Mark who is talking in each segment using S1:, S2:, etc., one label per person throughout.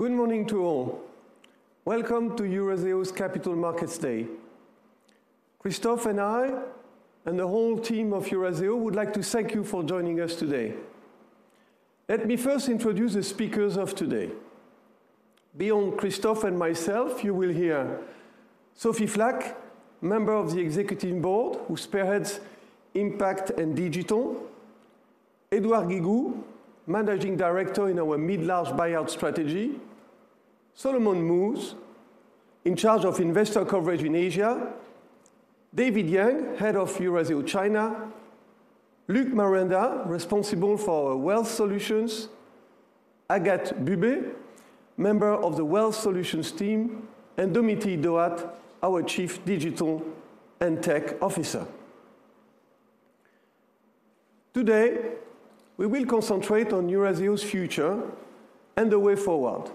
S1: Good morning to all. Welcome to Eurazeo's Capital Markets Day. Christophe and I, and the whole team of Eurazeo, would like to thank you for joining us today. Let me first introduce the speakers of today. Beyond Christophe and myself, you will hear Sophie Flak, member of the Executive Board, who spearheads Impact and Digital; Edouard Guigou, Managing Director in our Mid-Large Buyout Strategy; Solomon Moos, in charge of Investor Coverage in Asia; David Yang, Head of Eurazeo China; Luc Maruenda, responsible for our Wealth Solutions; Agathe Bubbe, member of the Wealth Solutions team; and Domitille Doat, our Chief Digital and Tech Officer. Today, we will concentrate on Eurazeo's future and the way forward.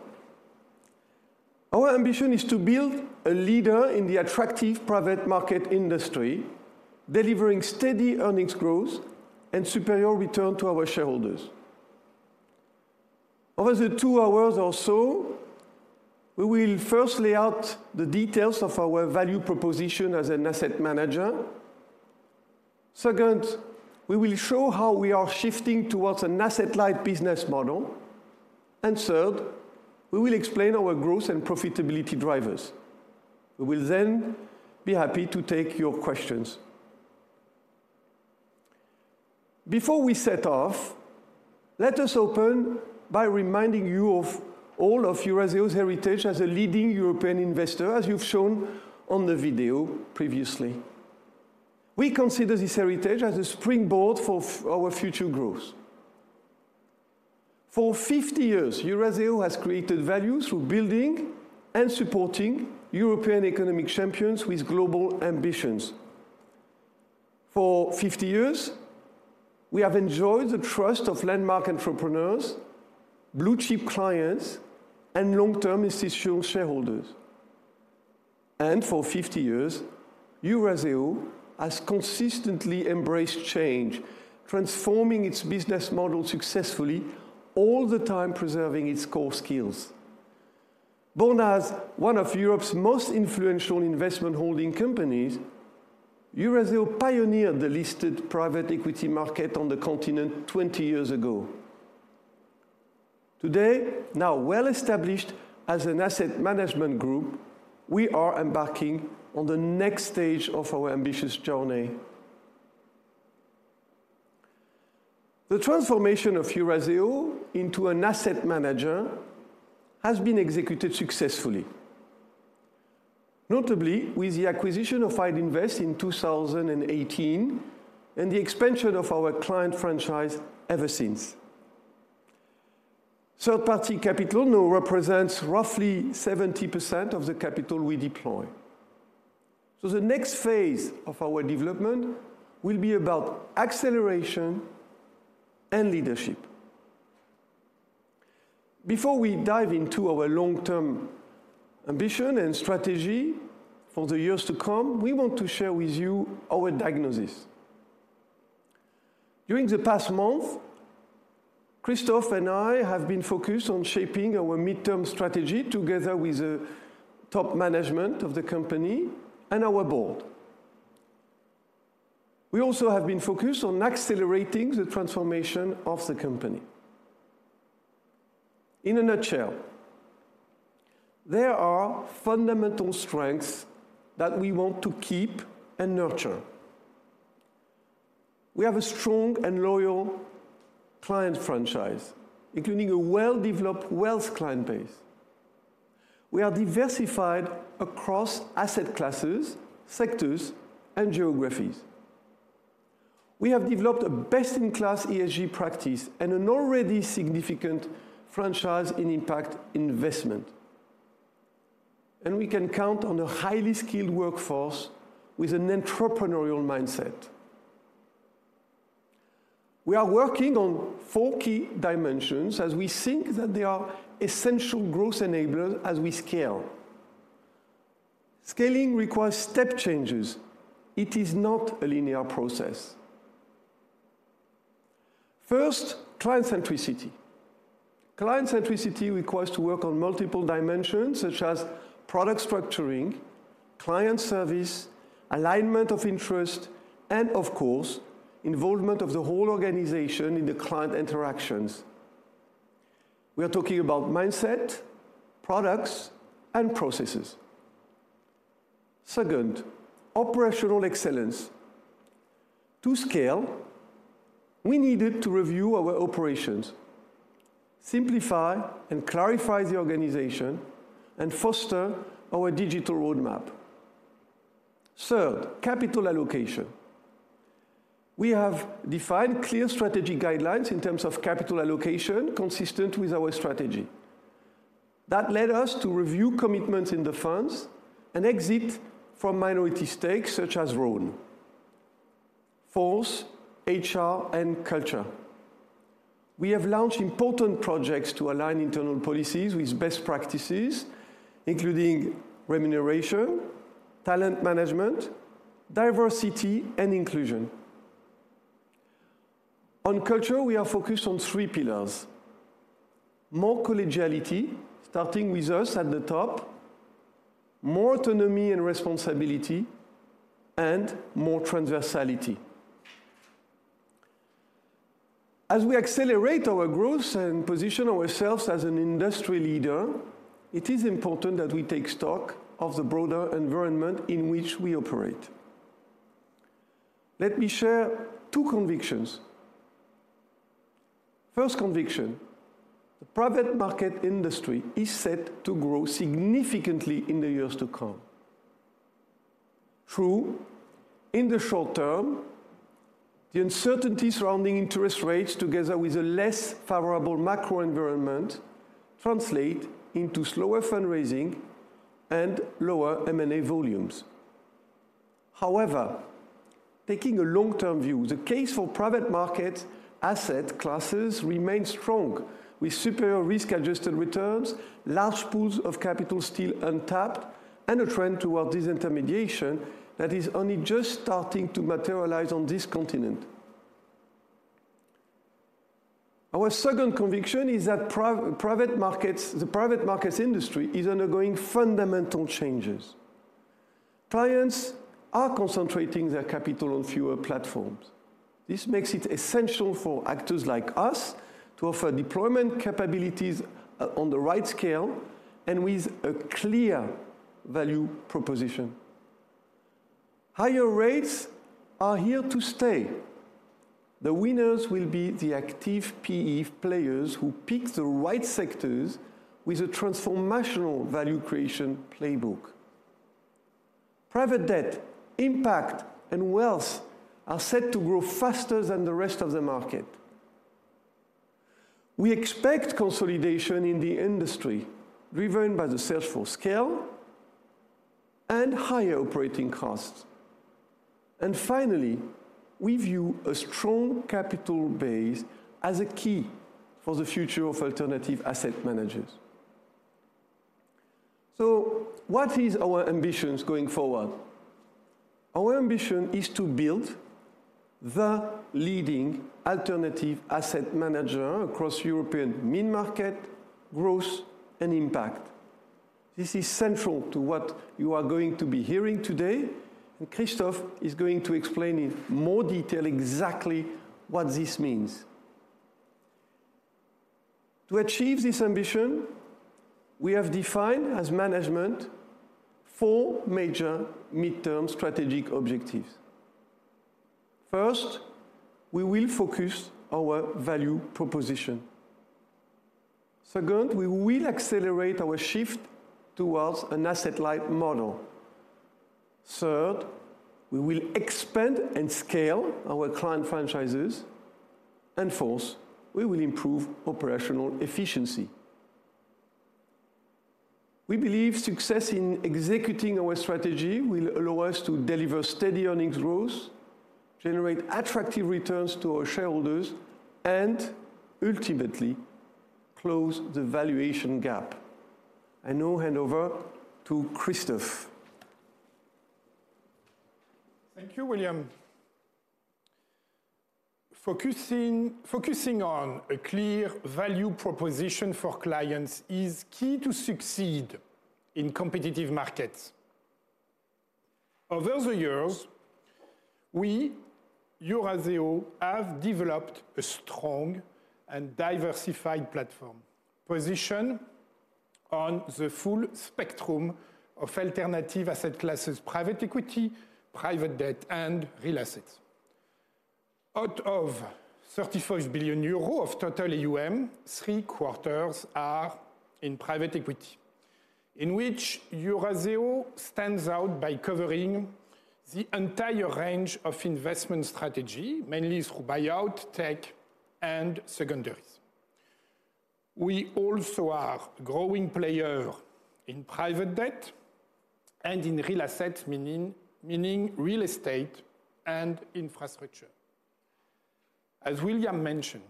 S1: Our ambition is to build a leader in the attractive private market industry, delivering steady earnings growth and superior return to our shareholders. Over the two hours or so, we will first lay out the details of our value proposition as an asset manager. Second, we will show how we are shifting towards an asset-light business model. And third, we will explain our growth and profitability drivers. We will then be happy to take your questions. Before we set off, let us open by reminding you of all of Eurazeo's heritage as a leading European investor, as you've shown on the video previously. We consider this heritage as a springboard for our future growth. For 50 years, Eurazeo has created value through building and supporting European economic champions with global ambitions. For 50 years, we have enjoyed the trust of landmark entrepreneurs, blue-chip clients, and long-term institutional shareholders. And for 50 years, Eurazeo has consistently embraced change, transforming its business model successfully, all the time preserving its core skills. Born as one of Europe's most influential investment holding companies, Eurazeo pioneered the listed private equity market on the continent 20 years ago. Today, now well-established as an asset management group, we are embarking on the next stage of our ambitious journey. The transformation of Eurazeo into an asset manager has been executed successfully, notably with the acquisition of Idinvest in 2018, and the expansion of our client franchise ever since. Third-party capital now represents roughly 70% of the capital we deploy. So the next phase of our development will be about acceleration and leadership. Before we dive into our long-term ambition and strategy for the years to come, we want to share with you our diagnosis. During the past month, Christophe and I have been focused on shaping our midterm strategy together with the top management of the company and our board. We also have been focused on accelerating the transformation of the company. In a nutshell, there are fundamental strengths that we want to keep and nurture. We have a strong and loyal client franchise, including a well-developed wealth client base. We are diversified across asset classes, sectors, and geographies. We have developed a best-in-class ESG practice and an already significant franchise in impact investment, and we can count on a highly skilled workforce with an entrepreneurial mindset. We are working on four key dimensions as we think that they are essential growth enablers as we scale. Scaling requires step changes. It is not a linear process. First, client centricity. Client centricity requires to work on multiple dimensions, such as product structuring, client service, alignment of interest, and of course, involvement of the whole organization in the client interactions. We are talking about mindset, products, and processes. Second, operational excellence. To scale, we needed to review our operations, simplify and clarify the organization, and foster our digital roadmap. Third, capital allocation. We have defined clear strategy guidelines in terms of capital allocation, consistent with our strategy. That led us to review commitments in the funds and exit from minority stakes, such as Rhône. Fourth, HR and culture. We have launched important projects to align internal policies with best practices, including remuneration, talent management, diversity, and inclusion. On culture, we are focused on three pillars: more collegiality, starting with us at the top, more autonomy and responsibility, and more transversality. As we accelerate our growth and position ourselves as an industry leader, it is important that we take stock of the broader environment in which we operate. Let me share two convictions. First conviction, the private market industry is set to grow significantly in the years to come. True, in the short term, the uncertainty surrounding interest rates, together with a less favorable macro environment, translate into slower fundraising and lower M&A volumes. However, taking a long-term view, the case for private market asset classes remains strong, with superior risk-adjusted returns, large pools of capital still untapped, and a trend towards disintermediation that is only just starting to materialize on this continent. Our second conviction is that private markets, the private markets industry is undergoing fundamental changes. Clients are concentrating their capital on fewer platforms. This makes it essential for actors like us to offer deployment capabilities on the right scale and with a clear value proposition. Higher rates are here to stay. The winners will be the active PE players who pick the right sectors with a transformational value creation playbook. Private debt, impact, and wealth are set to grow faster than the rest of the market. We expect consolidation in the industry, driven by the search for scale and higher operating costs. And finally, we view a strong capital base as a key for the future of alternative asset managers. So what is our ambitions going forward? Our ambition is to build the leading alternative asset manager across European mid-market, growth, and impact. This is central to what you are going to be hearing today, and Christophe is going to explain in more detail exactly what this means. To achieve this ambition, we have defined, as management, four major midterm strategic objectives. First, we will focus our value proposition. Second, we will accelerate our shift towards an asset-light model. Third, we will expand and scale our client franchises. And fourth, we will improve operational efficiency. We believe success in executing our strategy will allow us to deliver steady earnings growth, generate attractive returns to our shareholders, and ultimately, close the valuation gap. I now hand over to Christophe.
S2: Thank you, William. Focusing on a clear value proposition for clients is key to succeed in competitive markets. Over the years, we, Eurazeo, have developed a strong and diversified platform, positioned on the full spectrum of alternative asset classes, private equity, private debt, and real assets. Out of 35 billion euros of total AUM, three quarters are in private equity, in which Eurazeo stands out by covering the entire range of investment strategy, mainly through buyout, tech, and secondaries. We also are growing player in private debt and in real asset, meaning real estate and infrastructure. As William mentioned,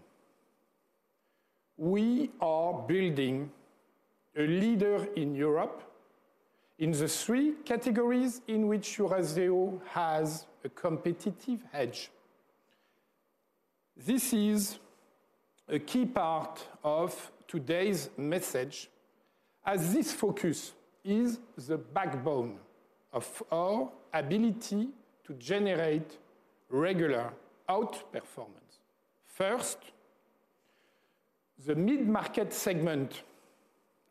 S2: we are building a leader in Europe in the three categories in which Eurazeo has a competitive edge. This is a key part of today's message, as this focus is the backbone of our ability to generate regular outperformance. First, the mid-market segment,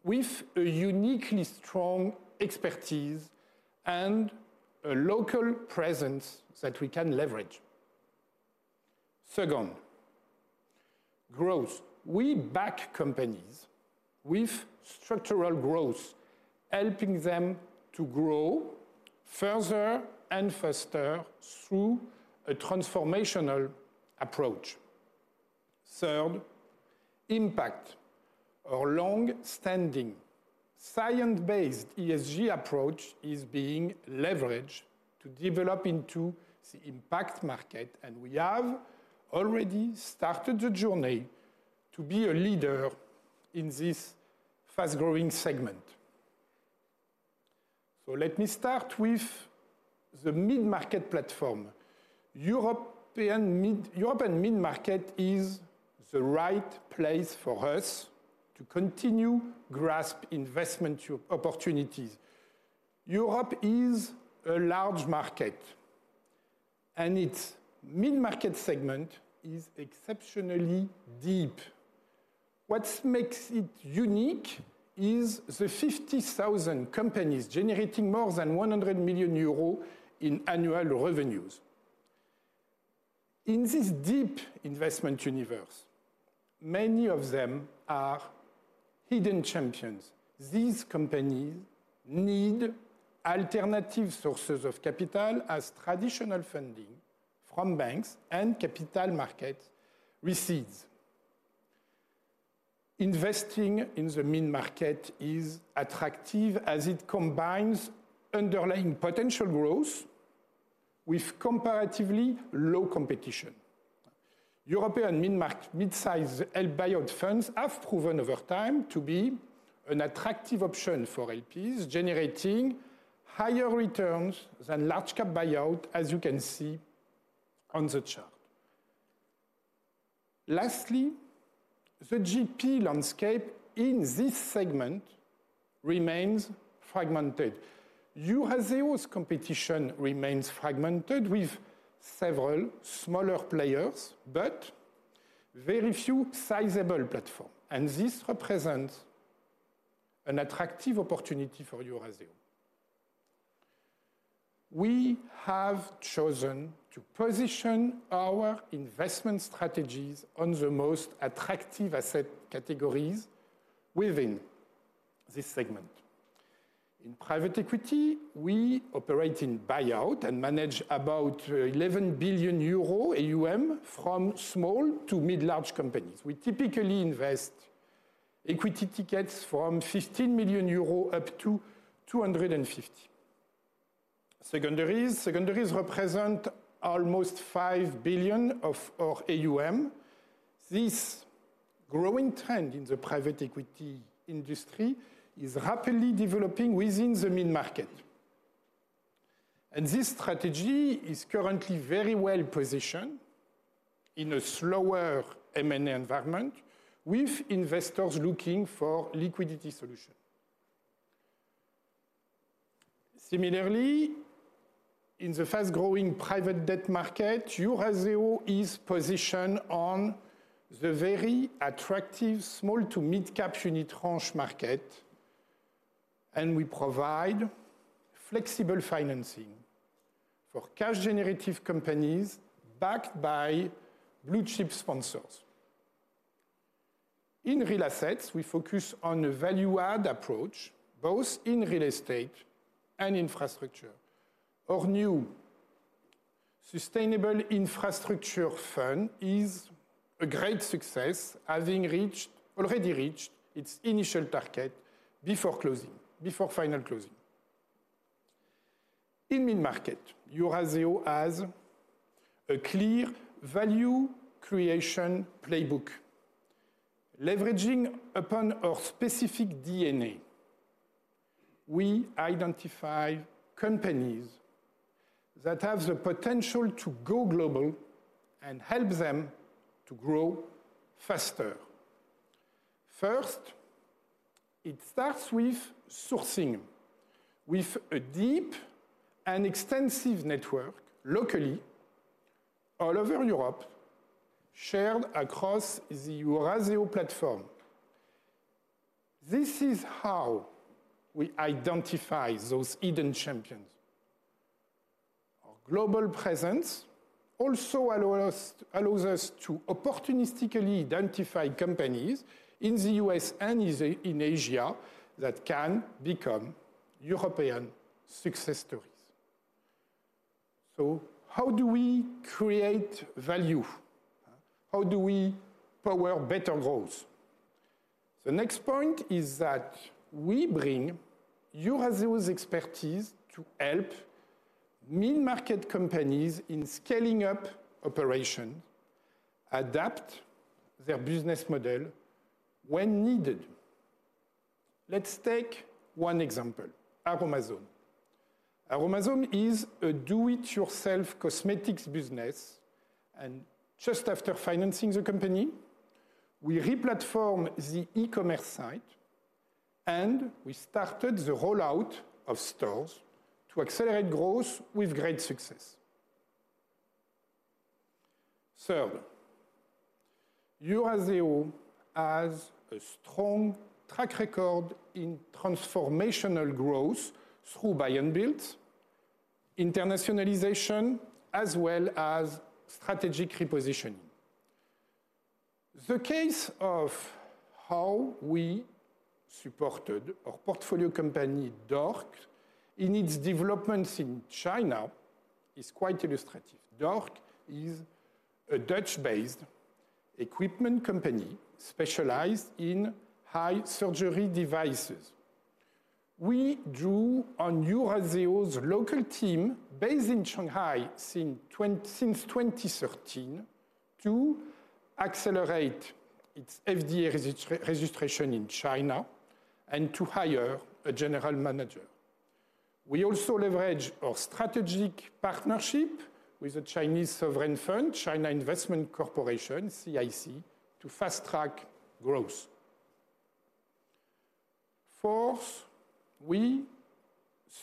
S2: with a uniquely strong expertise and a local presence that we can leverage. Second, growth. We back companies with structural growth, helping them to grow further and faster through a transformational approach. Third, impact. Our long-standing, science-based ESG approach is being leveraged to develop into the impact market, and we have already started the journey to be a leader in this fast-growing segment. So let me start with the mid-market platform. European mid, European mid-market is the right place for us to continue grasp investment opportunities. Europe is a large market, and its mid-market segment is exceptionally deep. What makes it unique is the 50,000 companies generating more than 100 million euros in annual revenues. In this deep investment universe, many of them are hidden champions. These companies need alternative sources of capital as traditional funding from banks and capital market recedes. Investing in the mid-market is attractive as it combines underlying potential growth with comparatively low competition. European mid-size and buyout funds have proven over time to be an attractive option for LPs, generating higher returns than large cap buyout, as you can see on the chart. Lastly, the GP landscape in this segment remains fragmented. Eurazeo's competition remains fragmented, with several smaller players, but very few sizable platform, and this represents an attractive opportunity for Eurazeo. We have chosen to position our investment strategies on the most attractive asset categories within this segment. In private equity, we operate in buyout and manage about 11 billion euro AUM, from small to mid-large companies. We typically invest equity tickets from 15 million euros up to 250. Secondaries. Secondaries represent almost 5 billion of our AUM. This growing trend in the private equity industry is rapidly developing within the mid-market. This strategy is currently very well positioned in a slower M&A environment, with investors looking for liquidity solution. Similarly, in the fast-growing private debt market, Eurazeo is positioned on the very attractive small- to mid-cap unitranche market, and we provide flexible financing for cash-generative companies backed by blue-chip sponsors. In real assets, we focus on a value-add approach, both in real estate and infrastructure. Our new sustainable infrastructure fund is a great success, having already reached its initial target before closing, before final closing. In mid-market, Eurazeo has a clear value creation playbook. Leveraging upon our specific DNA, we identify companies that have the potential to go global and help them to grow faster. First, it starts with sourcing, with a deep and extensive network locally all over Europe, shared across the Eurazeo platform. This is how we identify those hidden champions. Our global presence also allow us, allows us to opportunistically identify companies in the U.S. and in Asia that can become European success stories. So how do we create value? How do we power better growth? The next point is that we bring Eurazeo's expertise to help mid-market companies in scaling up operation, adapt their business model when needed. Let's take one example, Aroma-Zone. Aroma-Zone is a do-it-yourself cosmetics business, and just after financing the company, we re-platform the e-commerce site, and we started the rollout of stores to accelerate growth with great success. Third, Eurazeo has a strong track record in transformational growth through Buy and Build, internationalization, as well as strategic repositioning. The case of how we supported our portfolio company, DORC, in its developments in China is quite illustrative. DORC is a Dutch-based equipment company specialized in ophthalmic surgery devices. We drew on Eurazeo's local team, based in Shanghai since 2013 to accelerate its FDA registration in China and to hire a general manager. We also leverage our strategic partnership with the Chinese sovereign fund, China Investment Corporation, CIC, to fast-track growth. Fourth, we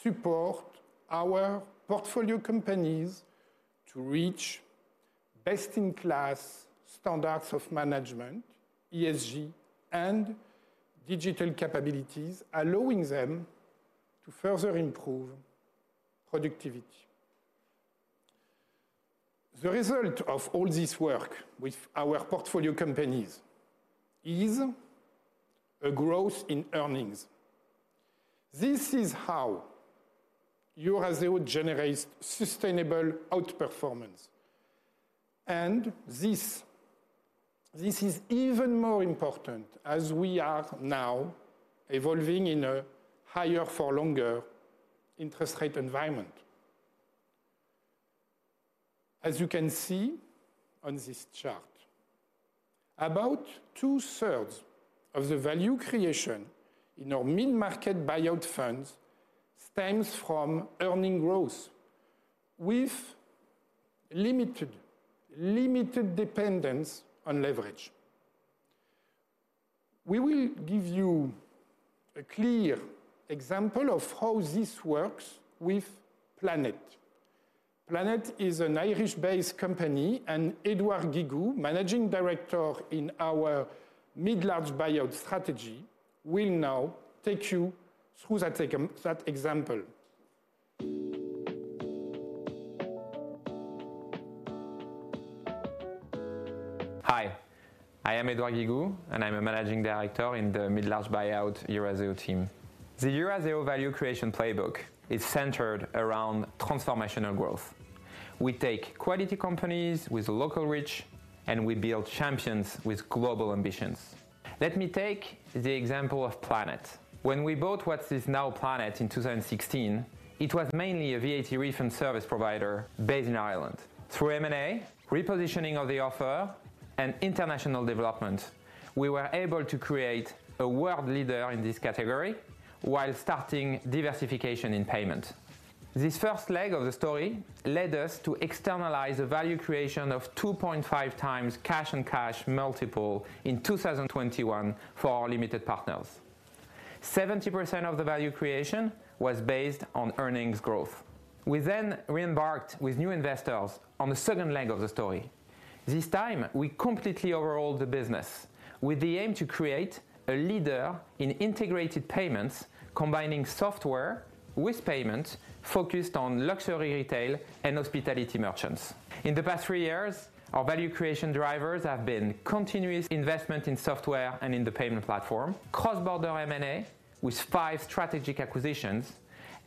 S2: support our portfolio companies to reach best-in-class standards of management, ESG, and digital capabilities, allowing them to further improve productivity. The result of all this work with our portfolio companies is a growth in earnings. This is how Eurazeo generates sustainable outperformance, and this, this is even more important as we are now evolving in a higher-for-longer interest rate environment. As you can see on this chart, about two-thirds of the value creation in our mid-market buyout funds stems from earning growth with limited dependence on leverage. We will give you a clear example of how this works with Planet. Planet is an Irish-based company, and Edouard Guigou, Managing Director in our mid-large buyout strategy, will now take you through that example.
S3: Hi, I am Edouard Guigou, and I'm a Managing Director in the Mid-Large Buyout Eurazeo team. The Eurazeo value creation playbook is centered around transformational growth. We take quality companies with local reach, and we build champions with global ambitions. Let me take the example of Planet. When we bought what is now Planet in 2016, it was mainly a VAT refund service provider based in Ireland. Through M&A, repositioning of the offer, and international development, we were able to create a world leader in this category while starting diversification in payment. This first leg of the story led us to externalize the value creation of 2.5x cash and cash multiple in 2021 for our limited partners. 70% of the value creation was based on earnings growth. We then reembarked with new investors on the second leg of the story. This time, we completely overhauled the business with the aim to create a leader in integrated payments, combining software with payments focused on luxury retail and hospitality merchants. In the past 3 years, our value creation drivers have been continuous investment in software and in the payment platform, cross-border M&A with five strategic acquisitions,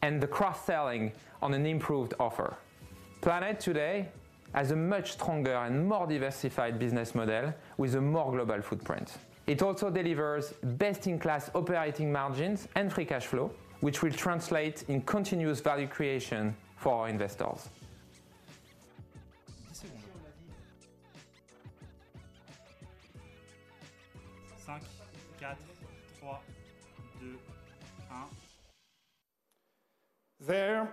S3: and the cross-selling on an improved offer. Planet today has a much stronger and more diversified business model with a more global footprint. It also delivers best-in-class operating margins and free cash flow, which will translate in continuous value creation for our investors.
S4: 5, 4, 3, 2, 1.
S2: There,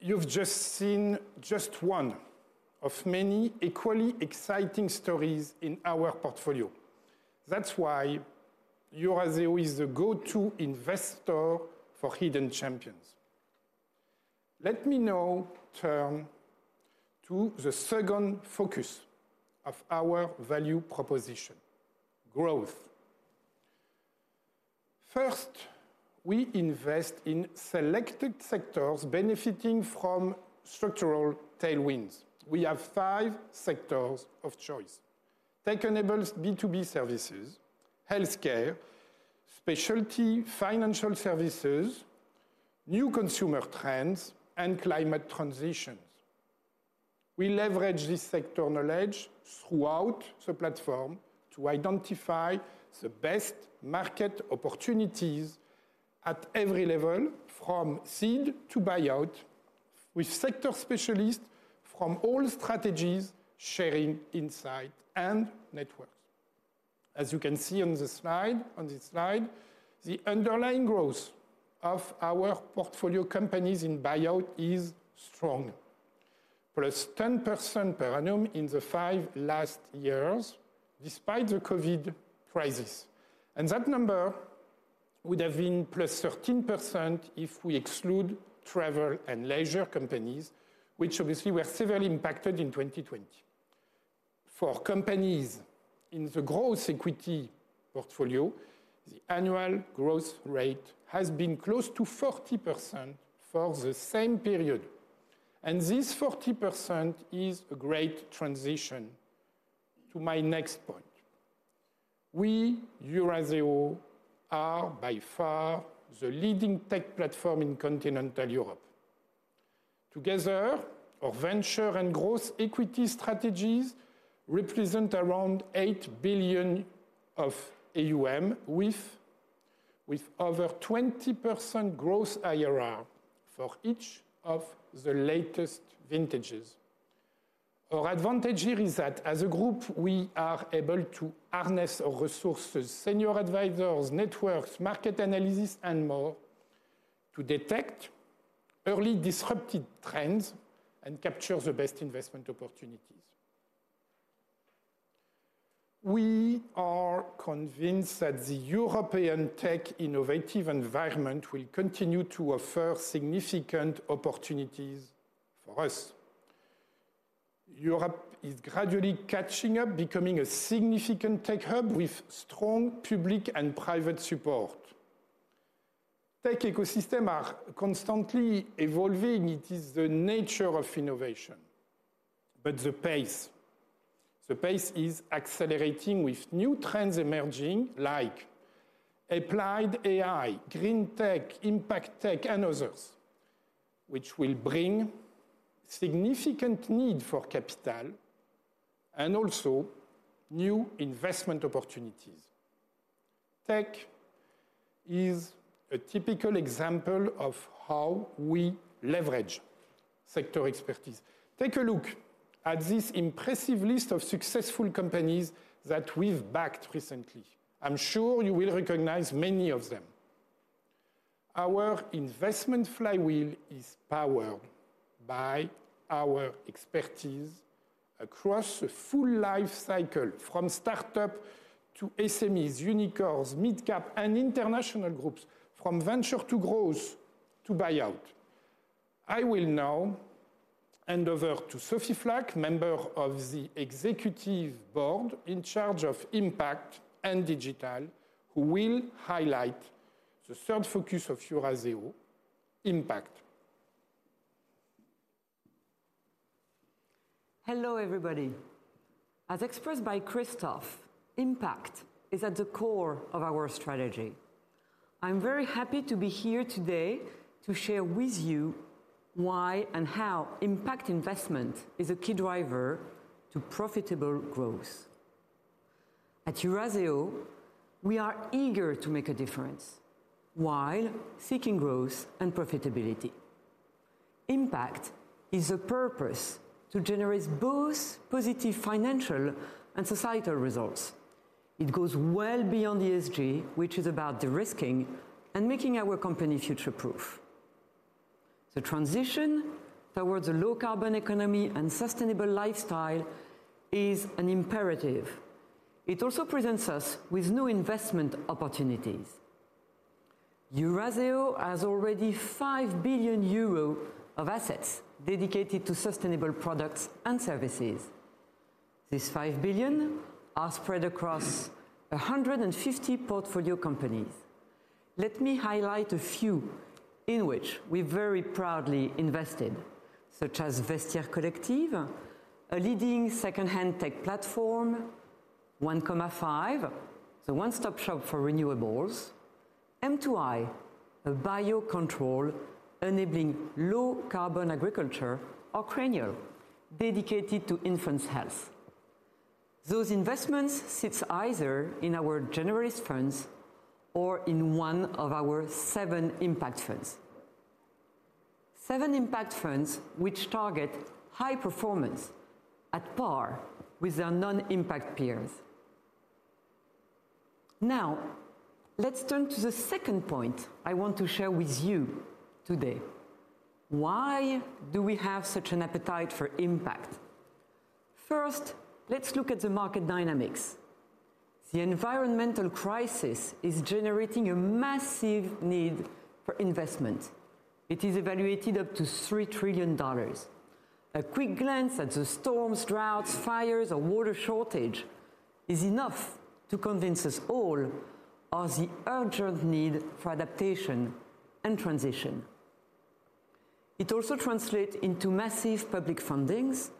S2: you've just seen just one of many equally exciting stories in our portfolio. That's why Eurazeo is the go-to investor for hidden champions. Let me now turn to the second focus of our value proposition: growth. First, we invest in selected sectors benefiting from structural tailwinds. We have five sectors of choice: tech-enabled B2B services, healthcare, specialty financial services, new consumer trends, and climate transitions. We leverage this sector knowledge throughout the platform to identify the best market opportunities at every level, from seed to buyout, with sector specialists from all strategies sharing insight and networks. As you can see on the slide, on this slide, the underlying growth of our portfolio companies in buyout is strong, +10% per annum in the 5 last years, despite the COVID crisis. That number would have been +13% if we exclude travel and leisure companies, which obviously were severely impacted in 2020. For companies in the growth equity portfolio, the annual growth rate has been close to 40% for the same period, and this 40% is a great transition to my next point. We, Eurazeo, are by far the leading tech platform in continental Europe. Together, our venture and growth equity strategies represent around 8 billion of AUM, with over 20% growth IRR for each of the latest vintages. Our advantage here is that as a group, we are able to harness our resources, senior advisors, networks, market analysis, and more, to detect early disruptive trends and capture the best investment opportunities. We are convinced that the European tech innovative environment will continue to offer significant opportunities for us. Europe is gradually catching up, becoming a significant tech hub with strong public and private support. Tech ecosystem are constantly evolving. It is the nature of innovation. But the pace, the pace is accelerating, with new trends emerging, like applied AI, green tech, impact tech, and others, which will bring significant need for capital and also new investment opportunities. Tech is a typical example of how we leverage sector expertise. Take a look at this impressive list of successful companies that we've backed recently. I'm sure you will recognize many of them. Our investment flywheel is powered by our expertise across the full life cycle, from startup to SMEs, unicorns, mid-cap, and international groups, from venture to growth to buyout. I will now hand over to Sophie Flak, Member of the Executive Board in charge of impact and digital, who will highlight the third focus of Eurazeo: impact.
S5: Hello, everybody. As expressed by Christophe, impact is at the core of our strategy. I'm very happy to be here today to share with you why and how impact investment is a key driver to profitable growth. At Eurazeo, we are eager to make a difference while seeking growth and profitability. Impact is a purpose to generate both positive financial and societal results. It goes well beyond ESG, which is about de-risking and making our company future-proof. The transition towards a low-carbon economy and sustainable lifestyle is an imperative. It also presents us with new investment opportunities. Eurazeo has already 5 billion euro of assets dedicated to sustainable products and services. These 5 billion are spread across 150 portfolio companies. Let me highlight a few in which we very proudly invested, such as Vestiaire Collective, a leading second-hand tech platform; 1KOMMA5, the one-stop shop for renewables; M2i, a biocontrol enabling low-carbon agriculture; or Cranial Technologies, dedicated to infants' health. Those investments sit either in our generalist funds or in one of our seven impact funds. Seven impact funds which target high performance at par with their non-impact peers. Now, let's turn to the second point I want to share with you today. Why do we have such an appetite for impact? First, let's look at the market dynamics. The environmental crisis is generating a massive need for investment. It is evaluated up to $3 trillion. A quick glance at the storms, droughts, fires, or water shortage is enough to convince us all of the urgent need for adaptation and transition. It also translates into massive public fundings,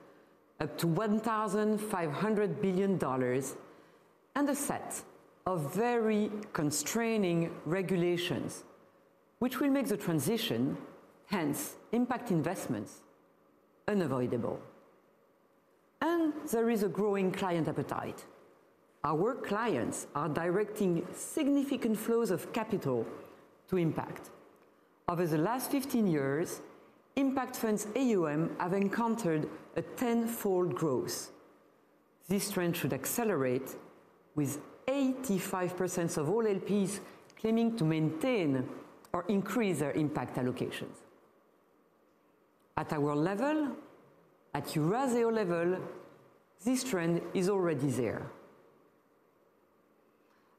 S5: up to $1,500 billion, and a set of very constraining regulations, which will make the transition, hence impact investments, unavoidable. There is a growing client appetite. Our clients are directing significant flows of capital to impact. Over the last 15 years, impact funds AUM have encountered a tenfold growth. This trend should accelerate, with 85% of all LPs claiming to maintain or increase their impact allocations. At our level, at Eurazeo level, this trend is already there.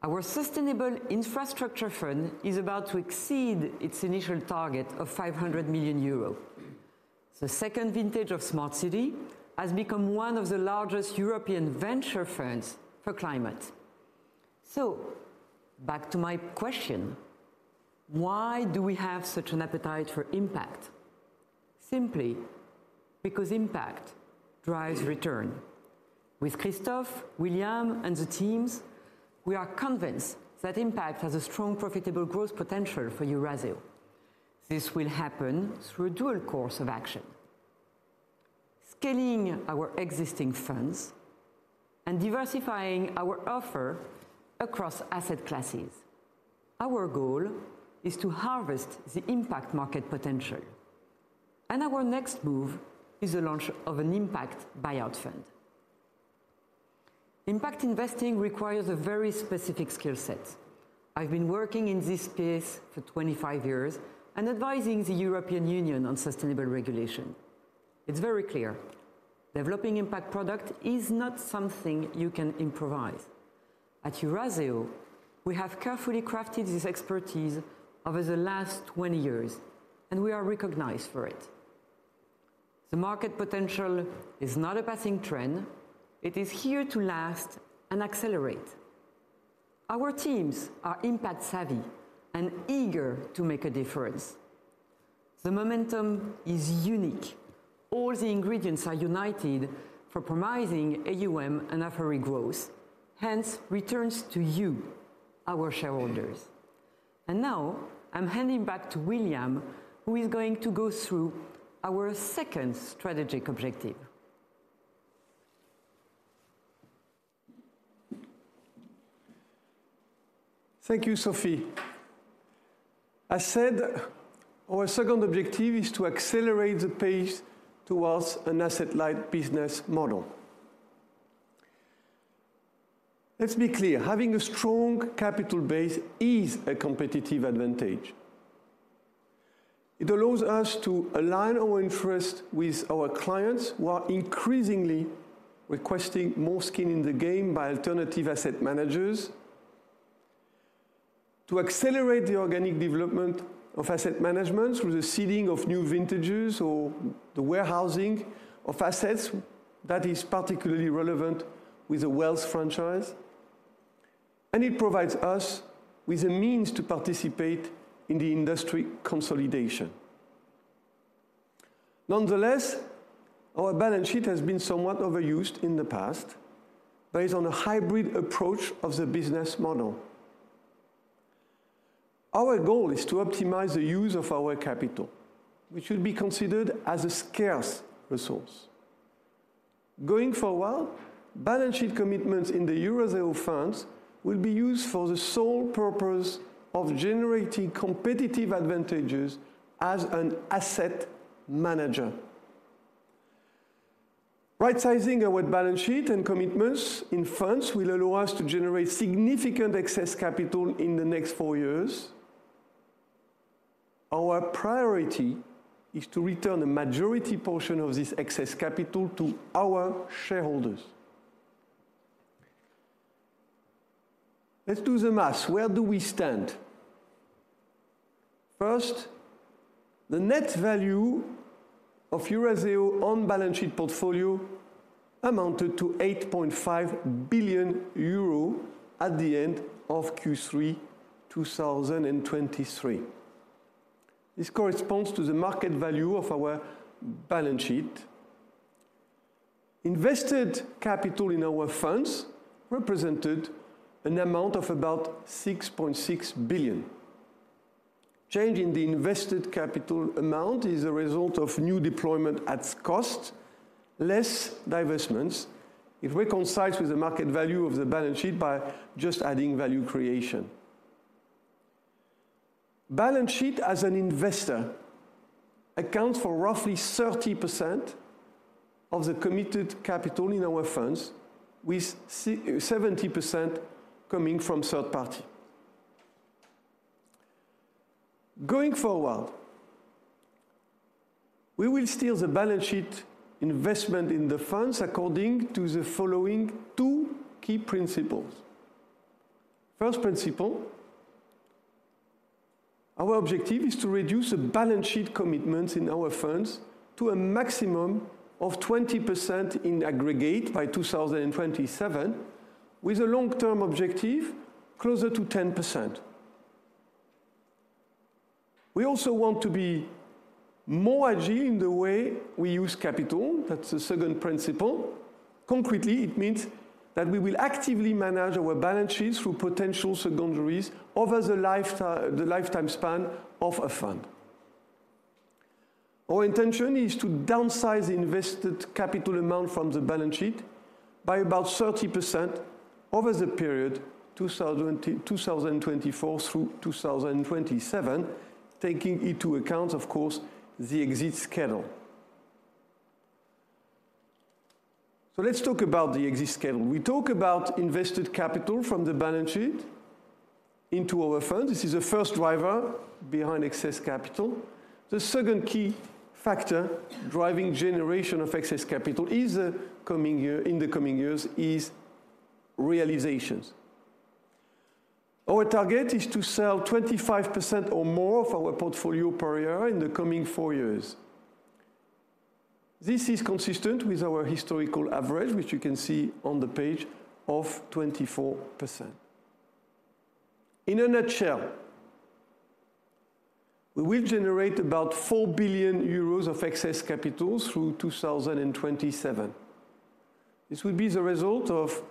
S5: Our sustainable infrastructure fund is about to exceed its initial target of 500 million euro. The second vintage of Smart City has become one of the largest European venture funds for climate. Back to my question: Why do we have such an appetite for impact? Simply because impact drives return. With Christophe, William, and the teams, we are convinced that impact has a strong, profitable growth potential for Eurazeo. This will happen through a dual course of action: scaling our existing funds and diversifying our offer across asset classes. Our goal is to harvest the impact market potential, and our next move is the launch of an impact buyout fund. Impact investing requires a very specific skill set. I've been working in this space for 25 years and advising the European Union on sustainable regulation. It's very clear: developing impact product is not something you can improvise. At Eurazeo, we have carefully crafted this expertise over the last 20 years, and we are recognized for it. The market potential is not a passing trend. It is here to last and accelerate. Our teams are impact-savvy and eager to make a difference. The momentum is unique. All the ingredients are united for promising AUM and offering growth, hence returns to you, our shareholders. Now, I'm handing back to William, who is going to go through our second strategic objective.
S1: Thank you, Sophie. I said our second objective is to accelerate the pace towards an asset-light business model. Let's be clear, having a strong capital base is a competitive advantage. It allows us to align our interests with our clients, who are increasingly requesting more skin in the game by alternative asset managers, to accelerate the organic development of asset management through the seeding of new vintages or the warehousing of assets. That is particularly relevant with the wealth franchise, and it provides us with a means to participate in the industry consolidation. Nonetheless, our balance sheet has been somewhat overused in the past, based on a hybrid approach of the business model. Our goal is to optimize the use of our capital, which will be considered as a scarce resource. Going forward, balance sheet commitments in the Eurazeo funds will be used for the sole purpose of generating competitive advantages as an asset manager. Right-sizing our balance sheet and commitments in funds will allow us to generate significant excess capital in the next 4 years. Our priority is to return the majority portion of this excess capital to our shareholders. Let's do the math. Where do we stand? First, the net value of Eurazeo on-balance-sheet portfolio amounted to 8.5 billion euro at the end of Q3 2023. This corresponds to the market value of our balance sheet. Invested capital in our funds represented an amount of about 6.6 billion. Change in the invested capital amount is a result of new deployment at cost, less divestments. It reconciles with the market value of the balance sheet by just adding value creation. Balance sheet, as an investor, accounts for roughly 30% of the committed capital in our funds, with 70% coming from third party. Going forward, we will steer the balance sheet investment in the funds according to the following two key principles. First principle, our objective is to reduce the balance sheet commitments in our funds to a maximum of 20% in aggregate by 2027, with a long-term objective closer to 10%. We also want to be more agile in the way we use capital. That's the second principle. Concretely, it means that we will actively manage our balance sheet through potential secondaries over the lifetime, the lifetime span of a fund. Our intention is to downsize the invested capital amount from the balance sheet by about 30% over the period 2024 through 2027, taking into account, of course, the exit schedule. So let's talk about the exit schedule. We talk about invested capital from the balance sheet into our fund. This is the first driver behind excess capital. The second key factor driving generation of excess capital is coming year, in the coming years, is realizations. Our target is to sell 25% or more of our portfolio per year in the coming 4 years. This is consistent with our historical average, which you can see on the page, of 24%. In a nutshell, we will generate about 4 billion euros of excess capital through 2027. This will be the result of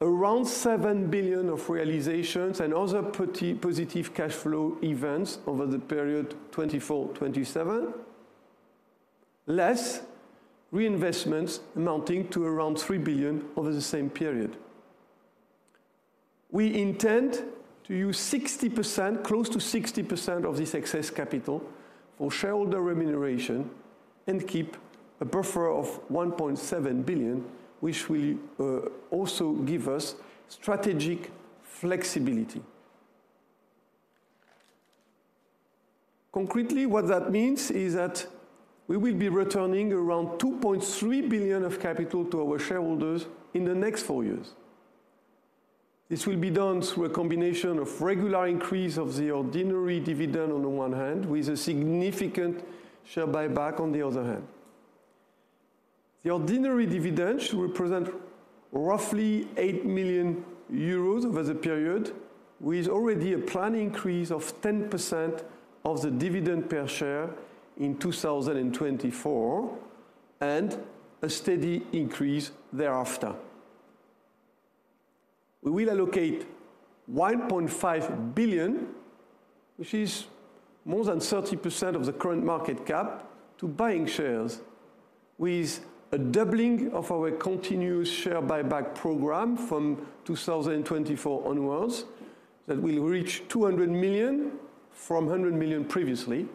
S1: around 7 billion of realizations and other positive cash flow events over the period 2024-2027, less reinvestments amounting to around 3 billion over the same period. We intend to use 60%, close to 60% of this excess capital for shareholder remuneration, and keep a buffer of 1.7 billion, which will also give us strategic flexibility. Concretely, what that means is that we will be returning around 2.3 billion of capital to our shareholders in the next 4 years. This will be done through a combination of regular increase of the ordinary dividend on the one hand, with a significant share buyback on the other hand. The ordinary dividend should represent roughly 8 million euros over the period, with already a planned increase of 10% of the dividend per share in 2024, and a steady increase thereafter. We will allocate 1.5 billion, which is more than 30% of the current market cap, to buying shares, with a doubling of our continuous share buyback program from 2024 onwards, that will reach 200 million from 100 million previously.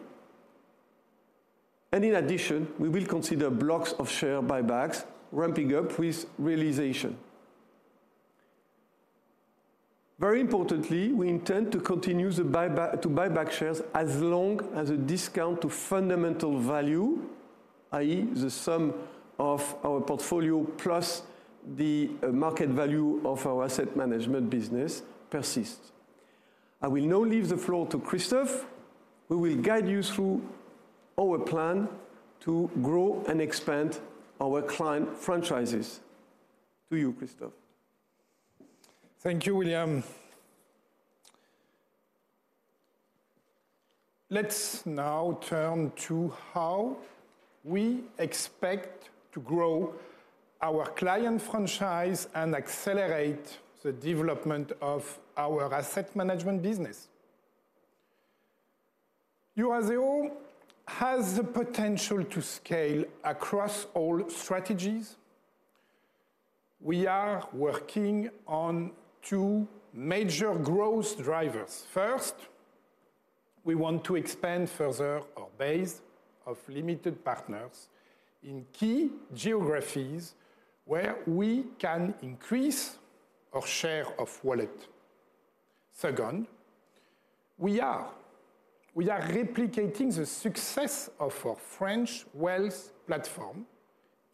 S1: And in addition, we will consider blocks of share buyback, ramping up with realization. Very importantly, we intend to continue the buyback to buy back shares as long as a discount to fundamental value, i.e., the sum of our portfolio plus the market value of our asset management business persists. I will now leave the floor to Christophe, who will guide you through our plan to grow and expand our client franchises. To you, Christophe.
S2: Thank you, William. Let's now turn to how we expect to grow our client franchise and accelerate the development of our asset management business. Eurazeo has the potential to scale across all strategies. We are working on two major growth drivers. First, we want to expand further our base of limited partners in key geographies where we can increase our share of wallet. Second, we are replicating the success of our French wealth platform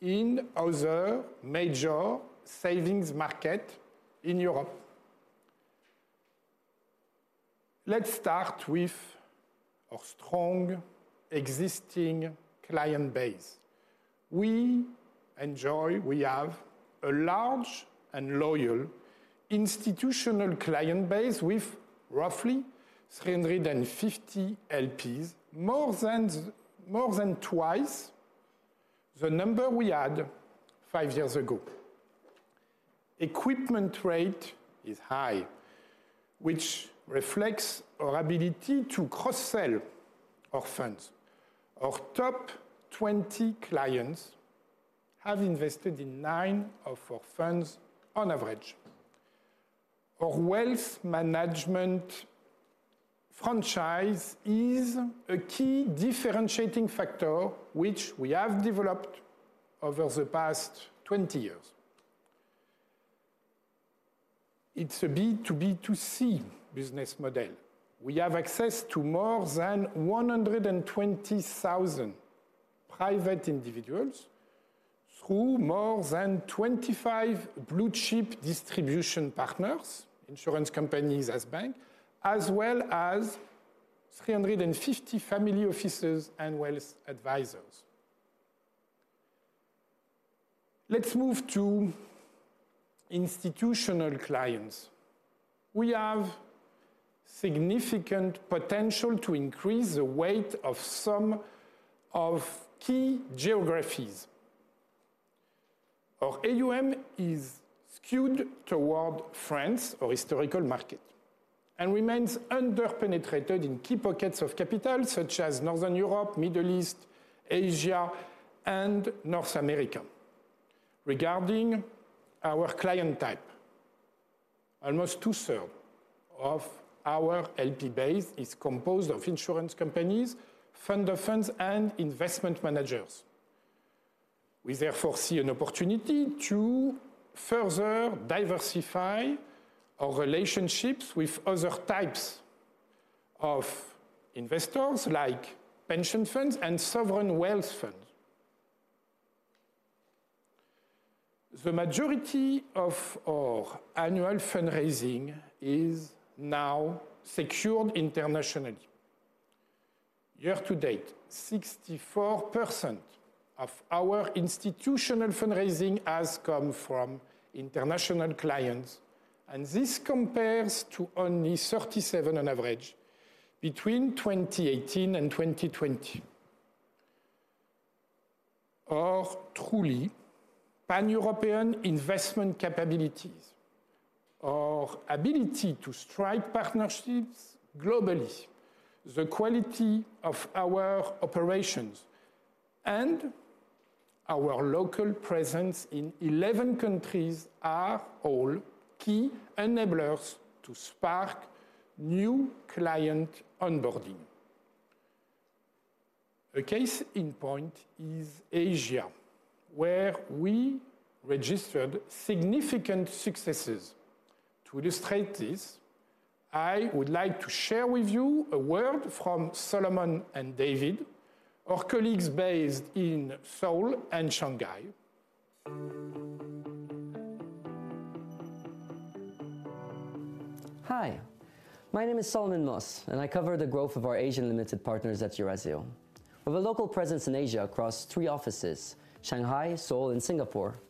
S2: in other major savings market in Europe. Let's start with our strong existing client base. We have a large and loyal institutional client base with roughly 350 LPs, more than twice the number we had 5 years ago. Equipment rate is high, which reflects our ability to cross-sell our funds. Our top 20 clients have invested in nine of our funds on average. Our wealth management franchise is a key differentiating factor, which we have developed over the past 20 years. It's a B2B2C business model. We have access to more than 120,000 private individuals through more than 25 blue-chip distribution partners, insurance companies as bank, as well as 350 family offices and wealth advisors. Let's move to institutional clients. We have significant potential to increase the weight of some of key geographies. Our AUM is skewed toward France, our historical market, and remains under-penetrated in key pockets of capital, such as Northern Europe, Middle East, Asia, and North America. Regarding our client type, almost two-third of our LP base is composed of insurance companies, fund of funds, and investment managers. We therefore see an opportunity to further diversify our relationships with other types of investors, like pension funds and sovereign wealth funds. The majority of our annual fundraising is now secured internationally. Year to date, 64% of our institutional fundraising has come from international clients and this compares to only 37% on average between 2018 and 2020. Our truly pan-European investment capabilities, our ability to strike partnerships globally, the quality of our operations, and our local presence in 11 countries are all key enablers to spark new client onboarding. A case in point is Asia, where we registered significant successes. To illustrate this, I would like to share with you a word from Solomon and David, our colleagues based in Seoul and Shanghai.
S6: Hi, my name is Solomon Moos, and I cover the growth of our Asian limited partners at Eurazeo. With a local presence in Asia across three offices, Shanghai, Seoul, and Singapore,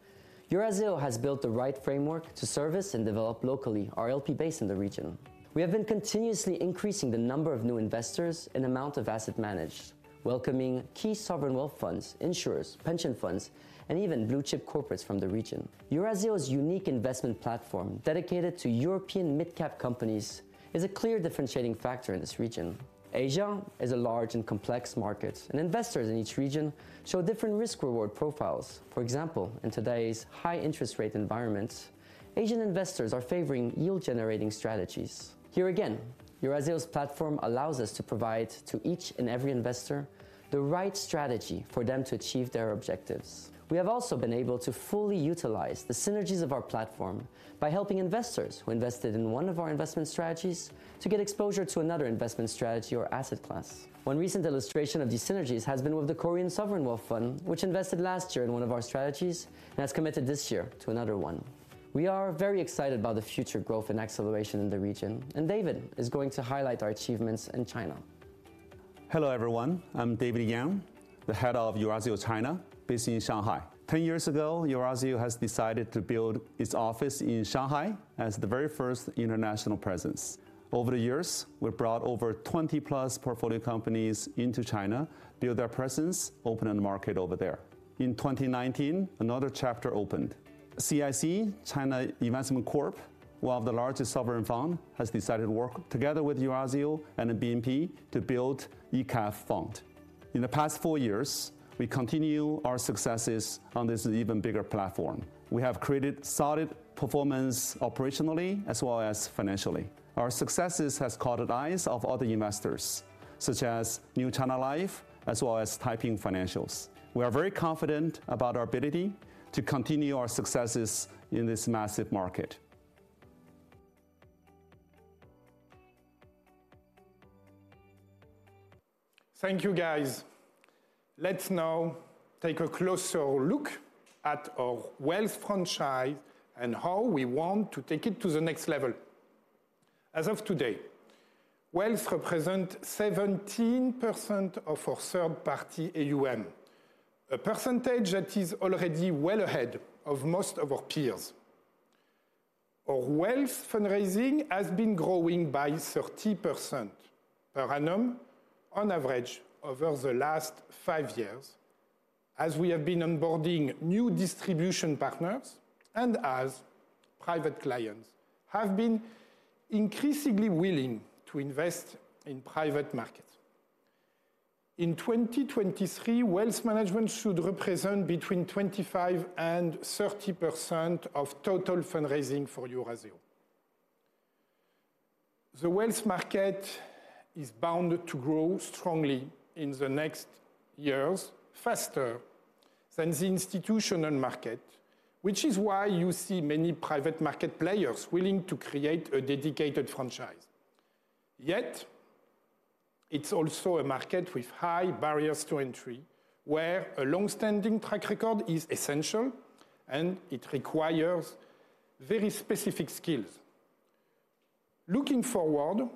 S6: Eurazeo has built the right framework to service and develop locally our LP base in the region. We have been continuously increasing the number of new investors and amount of asset managed, welcoming key sovereign wealth funds, insurers, pension funds, and even blue-chip corporates from the region. Eurazeo's unique investment platform, dedicated to European mid-cap companies, is a clear differentiating factor in this region. Asia is a large and complex market, and investors in each region show different risk-reward profiles. For example, in today's high-interest rate environment, Asian investors are favoring yield-generating strategies. Here again, Eurazeo's platform allows us to provide to each and every investor the right strategy for them to achieve their objectives. We have also been able to fully utilize the synergies of our platform by helping investors who invested in one of our investment strategies to get exposure to another investment strategy or asset class. One recent illustration of these synergies has been with the Korean Sovereign Wealth Fund, which invested last year in one of our strategies and has committed this year to another one. We are very excited about the future growth and acceleration in the region, and David is going to highlight our achievements in China.
S7: Hello, everyone. I'm David Yang, the head of Eurazeo China, based in Shanghai. 10 years ago, Eurazeo has decided to build its office in Shanghai as the very first international presence. Over the years, we've brought over 20+ portfolio companies into China, build their presence, open a market over there. In 2019, another chapter opened. CIC, China Investment Corp, one of the largest sovereign fund, has decided to work together with Eurazeo and BNP to build ECA Fund. In the past 4 years, we continue our successes on this even bigger platform. We have created solid performance operationally as well as financially. Our successes has caught the eyes of other investors, such as New China Life, as well as Taiping Financial. We are very confident about our ability to continue our successes in this massive market.
S2: Thank you, guys. Let's now take a closer look at our wealth franchise and how we want to take it to the next level. As of today, wealth represent 17% of our third-party AUM, a percentage that is already well ahead of most of our peers. Our wealth fundraising has been growing by 30% per annum on average over the last 5 years, as we have been onboarding new distribution partners and as private clients have been increasingly willing to invest in private markets. In 2023, wealth management should represent between 25% and 30% of total fundraising for Eurazeo. The wealth market is bound to grow strongly in the next years, faster than the institutional market, which is why you see many private market players willing to create a dedicated franchise. Yet, it's also a market with high barriers to entry, where a long-standing track record is essential, and it requires very specific skills. Looking forward,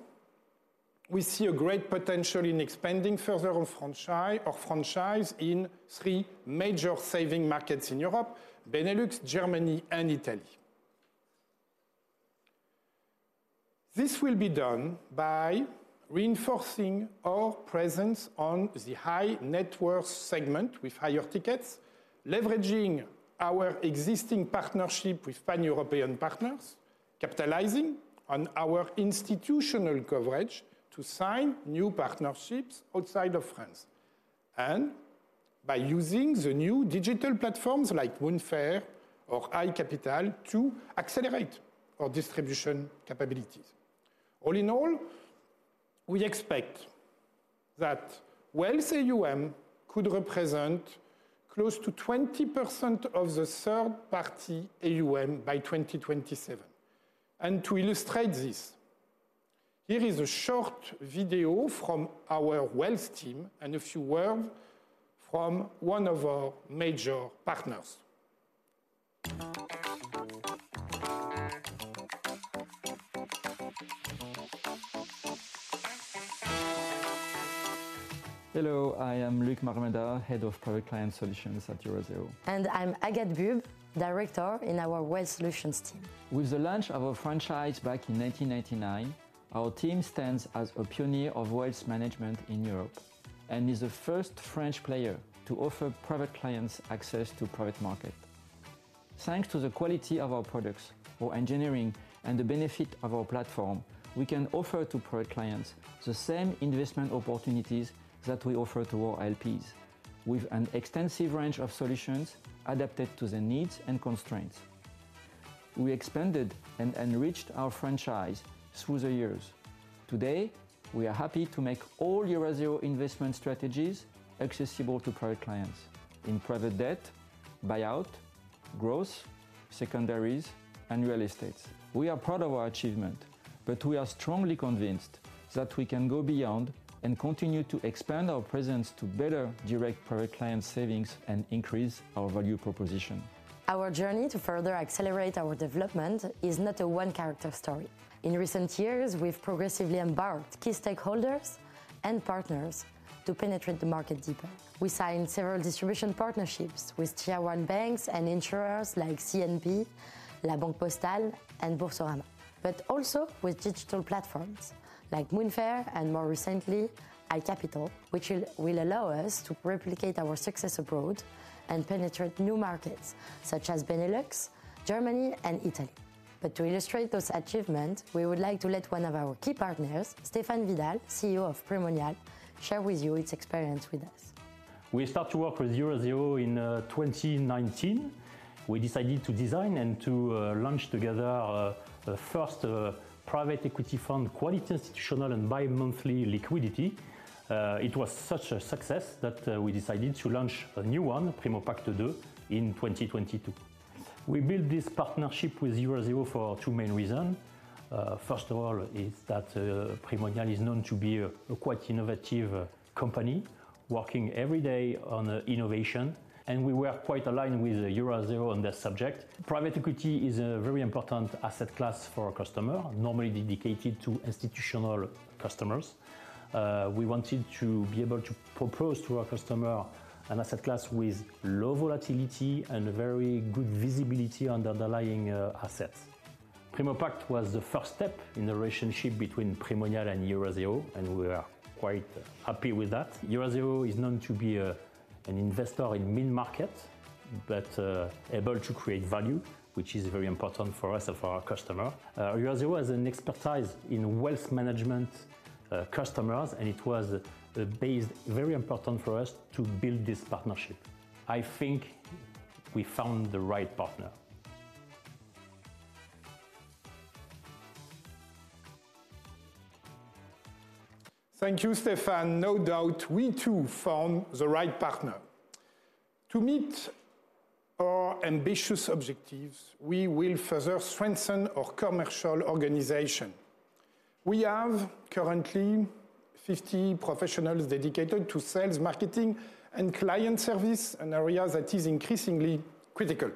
S2: we see a great potential in expanding further our franchise in three major saving markets in Europe: Benelux, Germany, and Italy. This will be done by reinforcing our presence on the high-net-worth segment with higher tickets, leveraging our existing partnership with pan-European partners, capitalizing on our institutional coverage to sign new partnerships outside of France, and by using the new digital platforms like Moonfare or iCapital to accelerate our distribution capabilities. All in all, we expect that wealth AUM could represent close to 20% of the third-party AUM by 2027. To illustrate this, here is a short video from our wealth team and a few words from one of our major partners....
S8: Hello, I am Luc Maruenda, Head of Private Client Solutions at Eurazeo.
S9: I'm Agathe Bubbe, Director in our Wealth Solutions team.
S8: With the launch of our franchise back in 1999, our team stands as a pioneer of wealth management in Europe, and is the first French player to offer private clients access to private market. Thanks to the quality of our products, our engineering, and the benefit of our platform, we can offer to private clients the same investment opportunities that we offer to our LPs, with an extensive range of solutions adapted to their needs and constraints. We expanded and reached our franchise through the years. Today, we are happy to make all Eurazeo investment strategies accessible to private clients in private debt, buyout, growth, secondaries, and real estates. We are proud of our achievement, but we are strongly convinced that we can go beyond and continue to expand our presence to better direct private client savings and increase our value proposition.
S9: Our journey to further accelerate our development is not a one-character story. In recent years, we've progressively embarked key stakeholders and partners to penetrate the market deeper. We signed several distribution partnerships with Tier one banks and insurers like CNP, La Banque Postale, and Boursorama. But also with digital platforms like Moonfare, and more recently, iCapital, which will allow us to replicate our success abroad and penetrate new markets such as Benelux, Germany, and Italy. But to illustrate those achievements, we would like to let one of our key partners, Stéphane Vidal, CEO of Primonial, share with you its experience with us.
S10: We start to work with Eurazeo in 2019. We decided to design and to launch together the first private equity fund, quite institutional and bi-monthly liquidity. It was such a success that we decided to launch a new one, PrimoPacte 2, in 2022. We built this partnership with Eurazeo for two main reasons. First of all, is that Primonial is known to be a quite innovative company, working every day on innovation, and we were quite aligned with Eurazeo on that subject. Private equity is a very important asset class for our customer, normally dedicated to institutional customers. We wanted to be able to propose to our customer an asset class with low volatility and very good visibility on the underlying assets. PrimoPacte was the first step in the relationship between Primonial and Eurazeo, and we are quite happy with that. Eurazeo is known to be an investor in mid-market, but able to create value, which is very important for us and for our customer. Eurazeo has an expertise in wealth management, customers, and it was a base very important for us to build this partnership. I think we found the right partner.
S2: Thank you, Stéphane. No doubt, we too found the right partner. To meet our ambitious objectives, we will further strengthen our commercial organization. We have currently 50 professionals dedicated to sales, marketing, and client service, an area that is increasingly critical.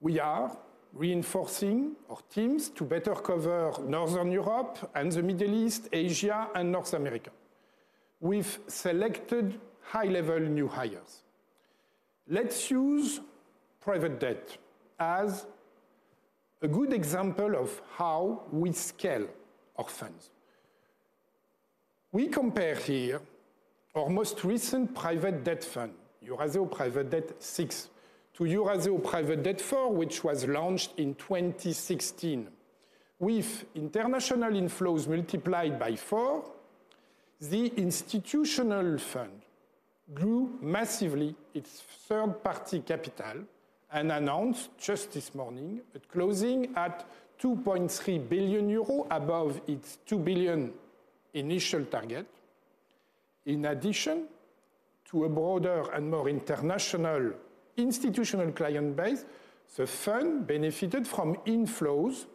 S2: We are reinforcing our teams to better cover Northern Europe and the Middle East, Asia, and North America with selected high-level new hires. Let's use private debt as a good example of how we scale our funds. We compare here our most recent private debt fund, Eurazeo Private Debt VI, to Eurazeo Private Debt IV, which was launched in 2016. With international inflows multiplied by 4, the institutional fund grew massively its third-party capital and announced, just this morning, at closing at 2.3 billion euros, above its 2 billion initial target. In addition to a broader and more international institutional client base, the fund benefited from inflows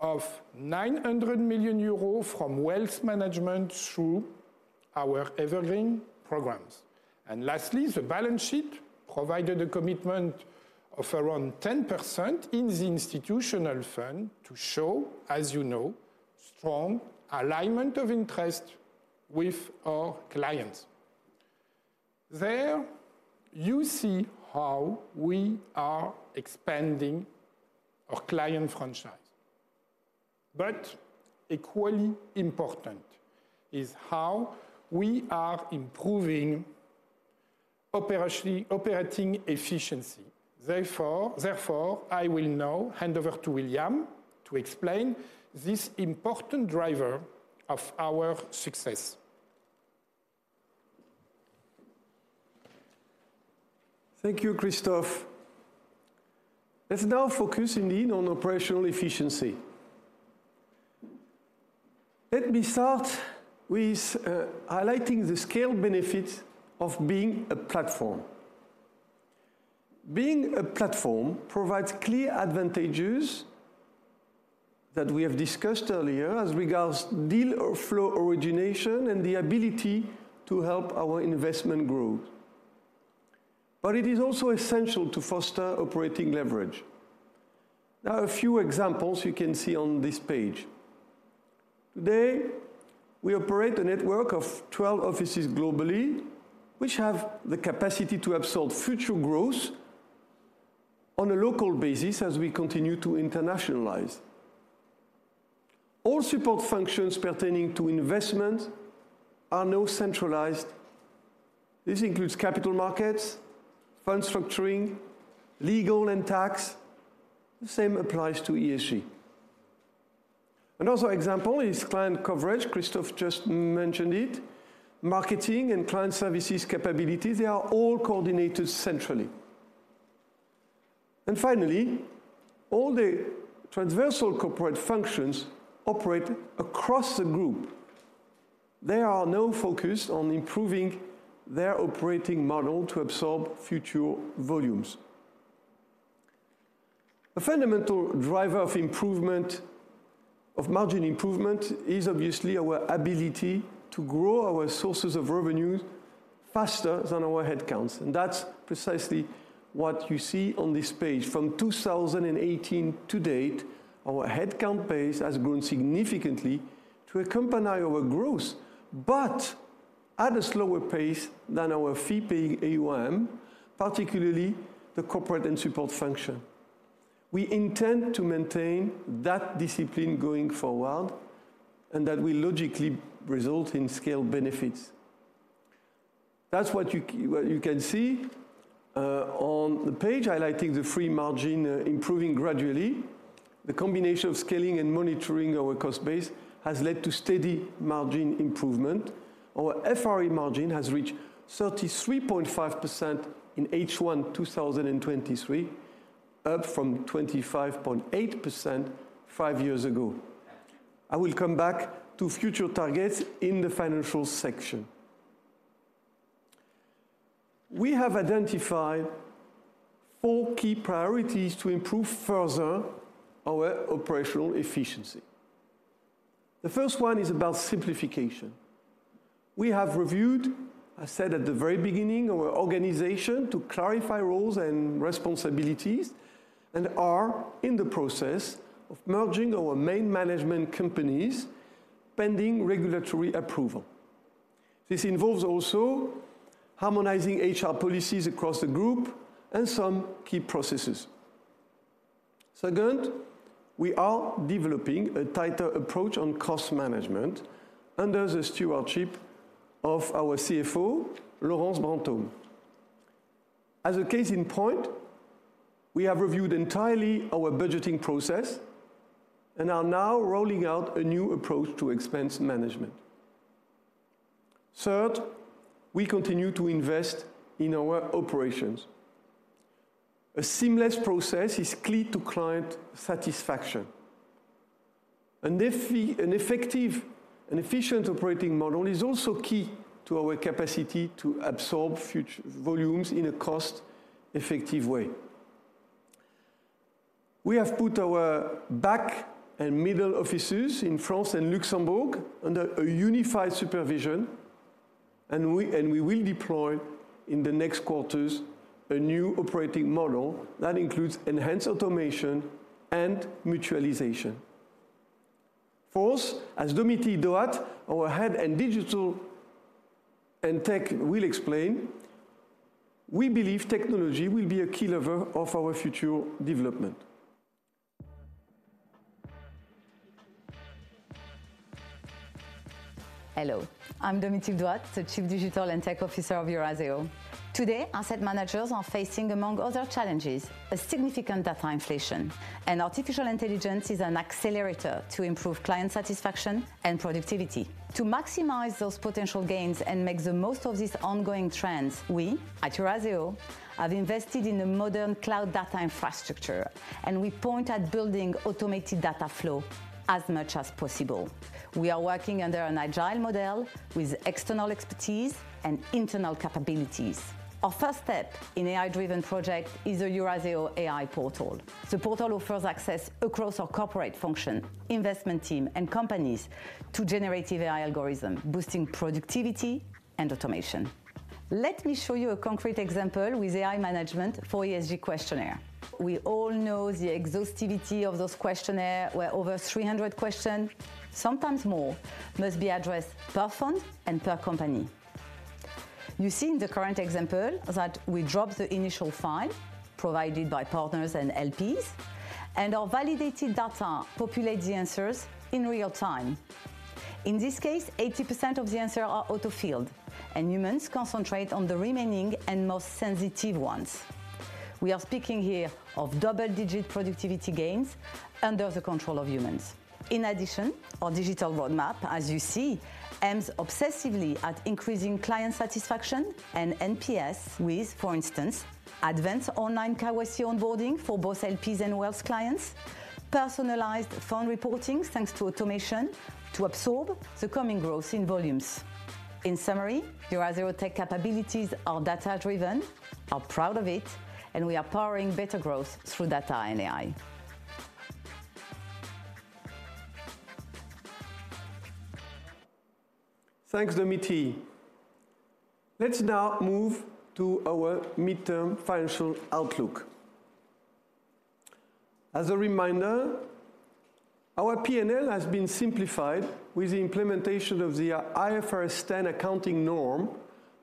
S2: of 900 million euros from wealth management through our evergreen programs. And lastly, the balance sheet provided a commitment of around 10% in the institutional fund to show, as you know, strong alignment of interest with our clients. There you see how we are expanding our client franchise. But equally important is how we are improving operating efficiency. Therefore, I will now hand over to William to explain this important driver of our success.
S1: Thank you, Christophe. Let's now focus indeed on operational efficiency. Let me start with highlighting the scale benefits of being a platform. Being a platform provides clear advantages that we have discussed earlier as regards deal flow origination, and the ability to help our investment grow.... But it is also essential to foster operating leverage. Now, a few examples you can see on this page. Today, we operate a network of 12 offices globally, which have the capacity to absorb future growth on a local basis as we continue to internationalize. All support functions pertaining to investment are now centralized. This includes capital markets, fund structuring, legal and tax. The same applies to ESG. Another example is client coverage, Christophe just mentioned it, marketing and client services capabilities, they are all coordinated centrally. And finally, all the transversal corporate functions operate across the group. They are now focused on improving their operating model to absorb future volumes. A fundamental driver of improvement, of margin improvement, is obviously our ability to grow our sources of revenues faster than our headcounts, and that's precisely what you see on this page. From 2018 to date, our headcount pace has grown significantly to accompany our growth, but at a slower pace than our fee-paying AUM, particularly the corporate and support function. We intend to maintain that discipline going forward, and that will logically result in scale benefits. That's what you can see on the page, highlighting the free margin improving gradually. The combination of scaling and monitoring our cost base has led to steady margin improvement. Our FRE margin has reached 33.5% in H1 2023, up from 25.8% 5 years ago. I will come back to future targets in the financial section. We have identified four key priorities to improve further our operational efficiency. The first one is about simplification. We have reviewed, I said at the very beginning, our organization to clarify roles and responsibilities, and are in the process of merging our main management companies, pending regulatory approval. This involves also harmonizing HR policies across the group and some key processes. Second, we are developing a tighter approach on cost management under the stewardship of our CFO, Laurence Branthomme. As a case in point, we have reviewed entirely our budgeting process and are now rolling out a new approach to expense management. Third, we continue to invest in our operations. A seamless process is key to client satisfaction. An effective and efficient operating model is also key to our capacity to absorb future volumes in a cost-effective way. We have put our back and middle offices in France and Luxembourg under a unified supervision, and we will deploy in the next quarters a new operating model that includes enhanced automation and mutualization. Fourth, as Domitille Doat, our head in digital and tech, will explain, we believe technology will be a key lever of our future development.
S11: Hello, I'm Domitille Doat, the Chief Digital and Tech Officer of Eurazeo. Today, asset managers are facing, among other challenges, a significant data inflation, and artificial intelligence is an accelerator to improve client satisfaction and productivity. To maximize those potential gains and make the most of these ongoing trends, we at Eurazeo have invested in a modern cloud data infrastructure, and we point at building automated data flow as much as possible. We are working under an agile model with external expertise and internal capabilities. Our first step in AI-driven project is a Eurazeo AI portal. The portal offers access across our corporate function, investment team, and companies to generative AI algorithm, boosting productivity and automation. Let me show you a concrete example with AI management for ESG questionnaire. We all know the exhaustiveness of those questionnaires, where over 300 questions, sometimes more, must be addressed per fund and per company. You see in the current example that we drop the initial file provided by partners and LPs, and our validated data populates the answers in real time. In this case, 80% of the answers are auto-filled, and humans concentrate on the remaining and most sensitive ones. We are speaking here of double-digit productivity gains under the control of humans. In addition, our digital roadmap, as you see, aims obsessively at increasing client satisfaction and NPS with, for instance, advanced online KYC onboarding for both LPs and wealth clients, personalized fund reporting, thanks to automation, to absorb the coming growth in volumes. In summary, Eurazeo tech capabilities are data-driven, are proud of it, and we are powering better growth through data and AI....
S1: Thanks, Domitille. Let's now move to our midterm financial outlook. As a reminder, our PNL has been simplified with the implementation of the IFRS 10 accounting norm,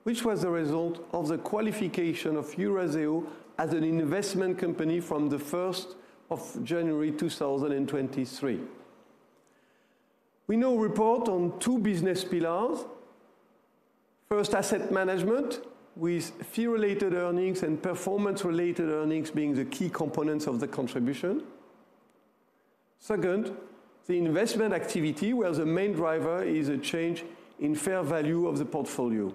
S1: which was a result of the qualification of Eurazeo as an investment company from the 1st of January, 2023. We now report on two business pillars. First, asset management, with fee-related earnings and performance-related earnings being the key components of the contribution. Second, the investment activity, where the main driver is a change in fair value of the portfolio.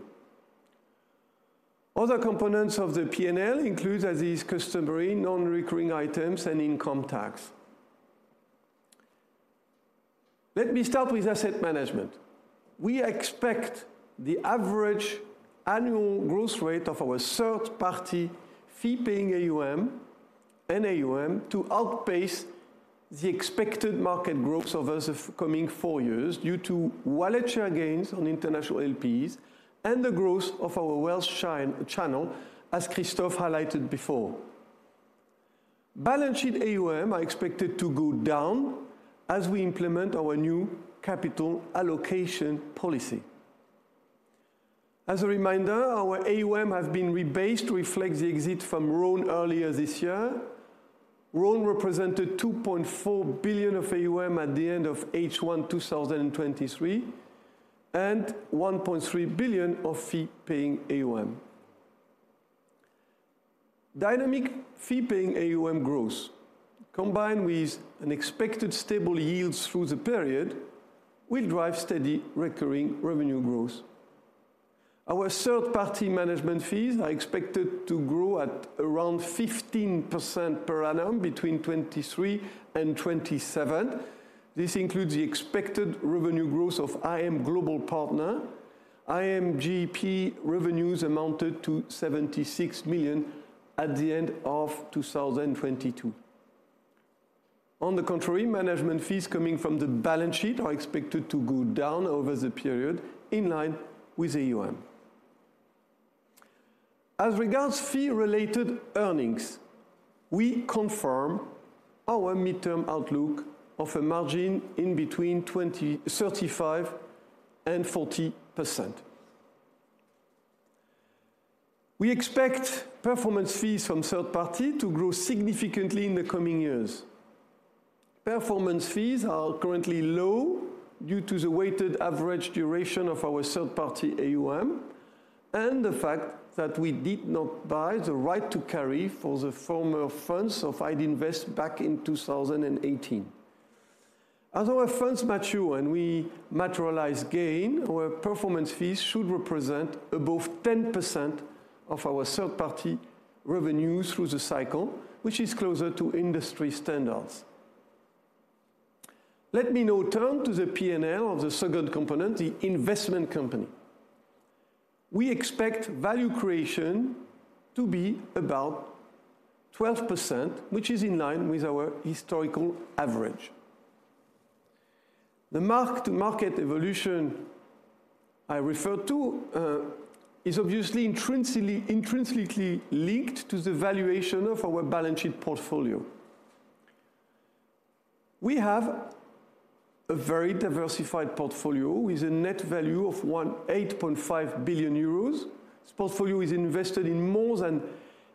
S1: Other components of the PNL includes, as is customary, non-recurring items and income tax. Let me start with asset management. We expect the average annual growth rate of our third-party fee-paying AUM and AUM to outpace the expected market growth over the forthcoming 4 years, due to wallet share gains on international LPs and the growth of our wealth franchise channel, as Christophe highlighted before. Balance sheet AUM are expected to go down as we implement our new capital allocation policy. As a reminder, our AUM has been rebased to reflect the exit from Rhône earlier this year. Rhône represented 2.4 billion of AUM at the end of H1 2023, and 1.3 billion of fee-paying AUM. Dynamic fee-paying AUM growth, combined with an expected stable yields through the period, will drive steady recurring revenue growth. Our third-party management fees are expected to grow at around 15% per annum between 2023 and 2027. This includes the expected revenue growth of iM Global Partner. iMGP revenues amounted to 76 million at the end of 2022. On the contrary, management fees coming from the balance sheet are expected to go down over the period, in line with AUM. As regards fee-related earnings, we confirm our midterm outlook of a margin in between 35% and 40%. We expect performance fees from third-party to grow significantly in the coming years. Performance fees are currently low due to the weighted average duration of our third-party AUM and the fact that we did not buy the right to carry for the former funds of Idinvest back in 2018. As our funds mature and we materialize gain, our performance fees should represent above 10% of our third-party revenues through the cycle, which is closer to industry standards. Let me now turn to the PNL of the second component, the investment company. We expect value creation to be about 12%, which is in line with our historical average. The mark-to-market evolution I referred to is obviously intrinsically linked to the valuation of our balance sheet portfolio. We have a very diversified portfolio, with a net value of 8.5 billion euros. This portfolio is invested in more than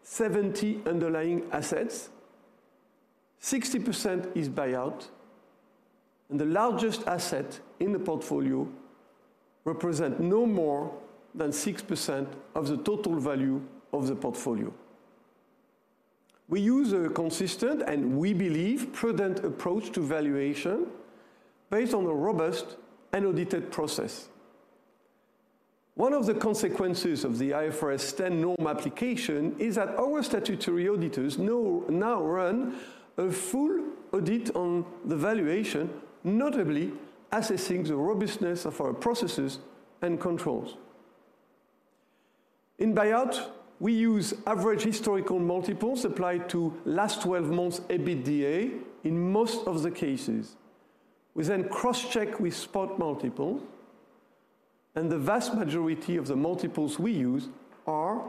S1: 70 underlying assets. 60% is buyout, and the largest asset in the portfolio represent no more than 6% of the total value of the portfolio. We use a consistent, and we believe, prudent approach to valuation based on a robust and audited process. One of the consequences of the IFRS 10 norm application is that our statutory auditors now run a full audit on the valuation, notably assessing the robustness of our processes and controls. In buyout, we use average historical multiples applied to last 12 months EBITDA in most of the cases. We then cross-check with spot multiple, and the vast majority of the multiples we use are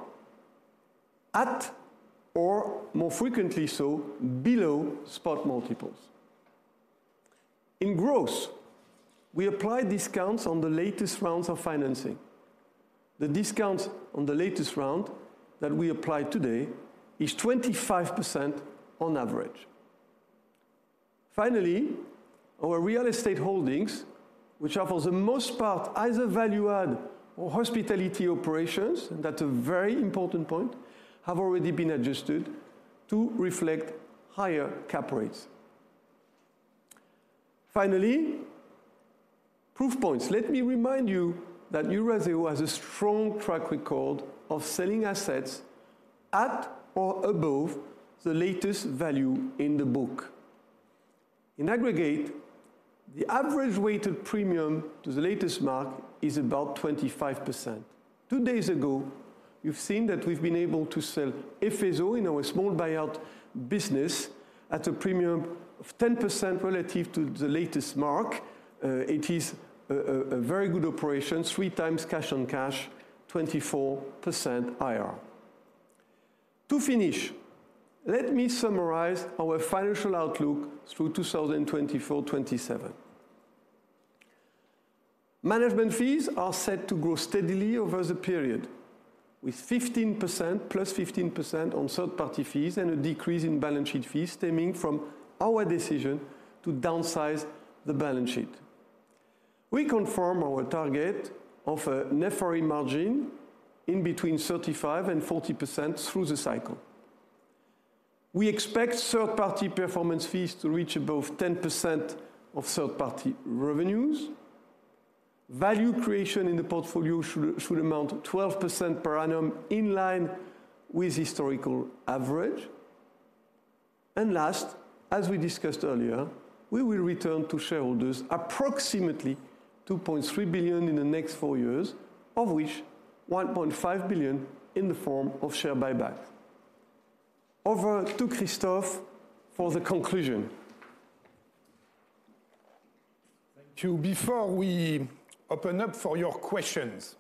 S1: at, or more frequently so, below spot multiples. In growth, we apply discounts on the latest rounds of financing. The discount on the latest round that we applied today is 25% on average. Finally, our real estate holdings, which are, for the most part, either value-add or hospitality operations, that's a very important point, have already been adjusted to reflect higher cap rates. Finally, proof points. Let me remind you that Eurazeo has a strong track record of selling assets at or above the latest value in the book. In aggregate, the average weighted premium to the latest mark is about 25%. 2 days ago... You've seen that we've been able to sell Efeso in our small buyout business at a premium of 10% relative to the latest mark. It is a very good operation, 3x cash on cash, 24% IRR. To finish, let me summarize our financial outlook through 2024-2027. Management fees are set to grow steadily over the period, with 15%, +15% on third-party fees and a decrease in balance sheet fees stemming from our decision to downsize the balance sheet. We confirm our target of a net fee margin in between 35% and 40% through the cycle. We expect third-party performance fees to reach above 10% of third-party revenues. Value creation in the portfolio should amount to 12% per annum, in line with historical average. And last, as we discussed earlier, we will return to shareholders approximately 2.3 billion in the next 4 years, of which 1.5 billion in the form of share buyback. Over to Christophe for the conclusion.
S2: Thank you. Before we open up for your questions,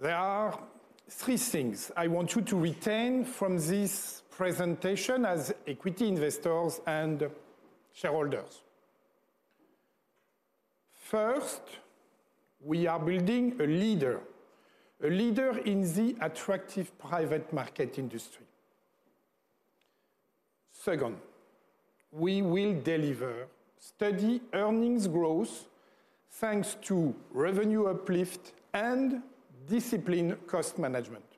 S2: there are three things I want you to retain from this presentation as equity investors and shareholders. First, we are building a leader, a leader in the attractive private market industry. Second, we will deliver steady earnings growth thanks to revenue uplift and disciplined cost management.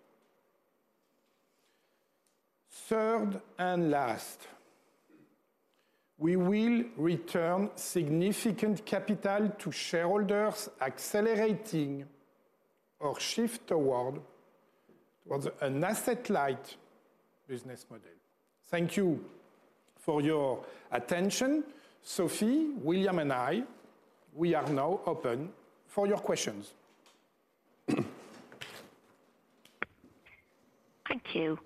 S2: Third and last, we will return significant capital to shareholders, accelerating our shift toward, towards an asset-light business model. Thank you for your attention. Sophie, William, and I, we are now open for your questions.
S12: Thank you.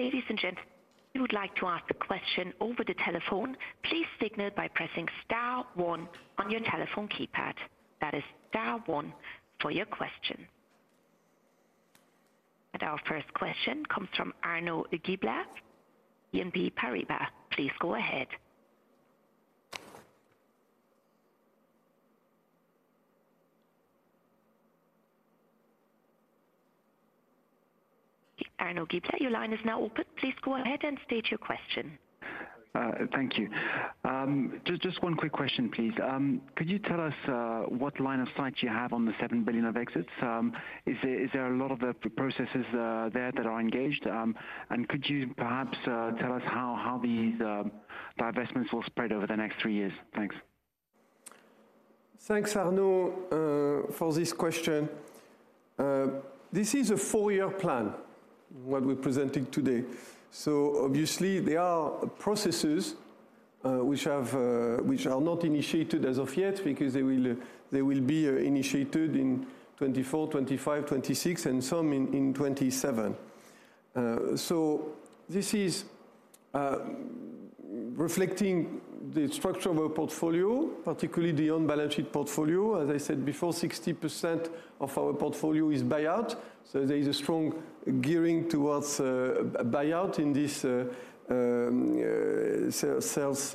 S12: Ladies and gents, if you would like to ask a question over the telephone, please signal by pressing star one on your telephone keypad. That is star one for your question. Our first question comes from Arnaud Giblat, BNP Paribas. Please go ahead. Arnaud Giblat, your line is now open. Please go ahead and state your question.
S13: Thank you. Just one quick question, please. Could you tell us what line of sight you have on the 7 billion of exits? Is there a lot of processes there that are engaged? And could you perhaps tell us how these divestments will spread over the next 3 years? Thanks.
S1: Thanks, Arnaud, for this question. This is a 4-year plan, what we're presenting today. So obviously there are processes which are not initiated as of yet because they will be initiated in 2024, 2025, 2026, and some in 2027. So this is reflecting the structure of our portfolio, particularly the on-balance sheet portfolio. As I said before, 60% of our portfolio is buyout, so there is a strong gearing towards a buyout in this sales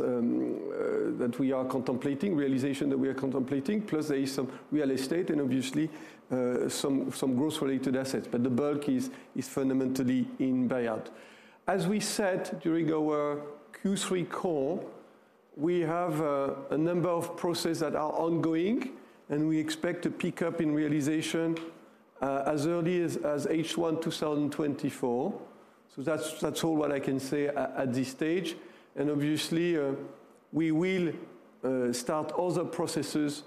S1: realizations that we are contemplating. Plus, there is some real estate and obviously some growth-related assets, but the bulk is fundamentally in buyout. As we said during our Q3 call, we have a number of processes that are ongoing, and we expect to pick up in realization as early as H1 2024. So that's all what I can say at this stage. And obviously, we will start other processes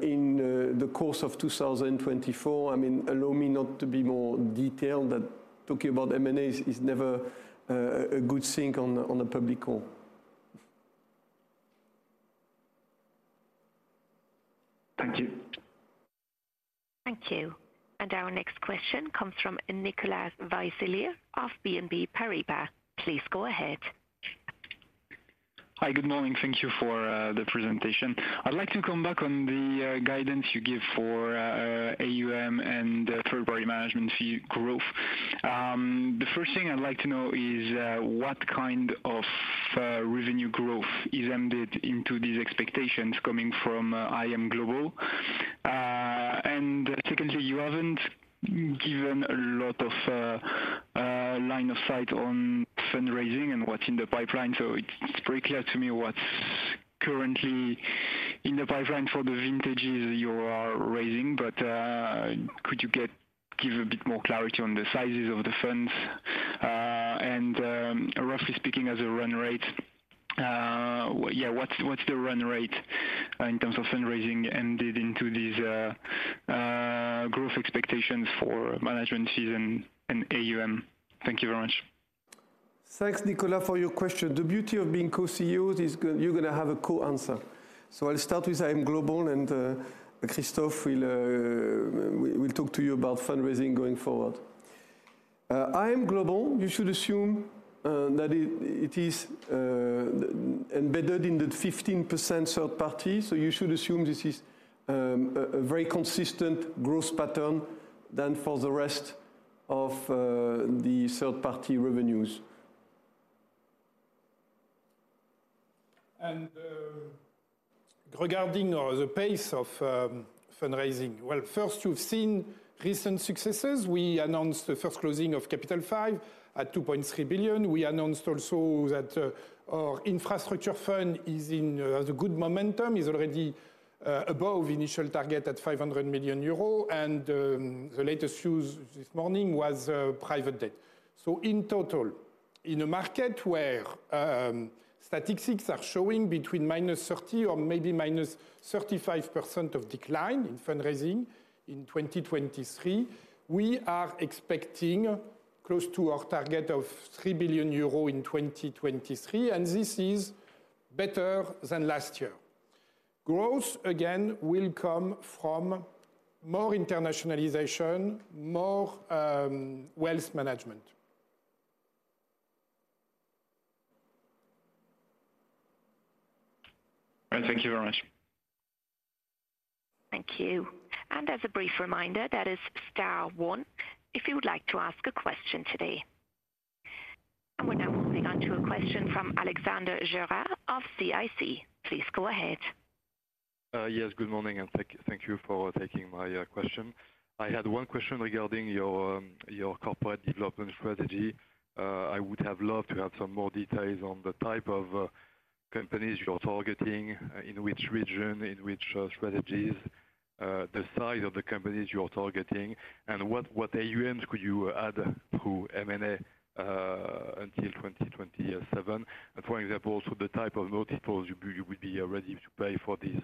S1: in the course of 2024. I mean, allow me not to be more detailed, but talking about M&As is never a good thing on a public call.
S13: Thank you.
S12: Thank you. Our next question comes from Nicolas Vaysselier of BNP Paribas. Please go ahead.
S14: Hi, good morning. Thank you for the presentation. I'd like to come back on the guidance you give for AUM and third party management fee growth. The first thing I'd like to know is what kind of revenue growth is embedded into these expectations coming from iM Global? And secondly, you haven't given a lot of line of sight on fundraising and what's in the pipeline. So it's pretty clear to me what's currently in the pipeline for the vintages you are raising, but could you give a bit more clarity on the sizes of the funds? And roughly speaking, as a run rate, yeah, what's the run rate in terms of fundraising embedded into these growth expectations for management fees and AUM? Thank you very much....
S1: Thanks, Nicolas, for your question. The beauty of being co-CEOs is you're going to have a co-answer. So I'll start with iM Global, and Christophe will talk to you about fundraising going forward. iM Global, you should assume that it is embedded in the 15% third party, so you should assume this is a very consistent growth pattern than for the rest of the third-party revenues. And, regarding the pace of fundraising, well, first, you've seen recent successes. We announced the first closing of Capital V at 2.3 billion. We announced also that our infrastructure fund is in the good momentum, is already above initial target at 500 million euro. And, the latest news this morning was private debt. So in total, in a market where statistics are showing between -30 or maybe -35% of decline in fundraising in 2023, we are expecting close to our target of 3 billion euro in 2023, and this is better than last year. Growth, again, will come from more internationalization, more wealth management.
S14: Great. Thank you very much.
S12: Thank you. And as a brief reminder, that is star one, if you would like to ask a question today. And we're now moving on to a question from Alexandre Gérard of CIC. Please go ahead.
S15: Yes, good morning, and thank you for taking my question. I had one question regarding your corporate development strategy. I would have loved to have some more details on the type of companies you're targeting in which region, in which strategies, the size of the companies you are targeting, and what AUMs could you add through M&A until 2027. For example, so the type of multiples you would be ready to pay for these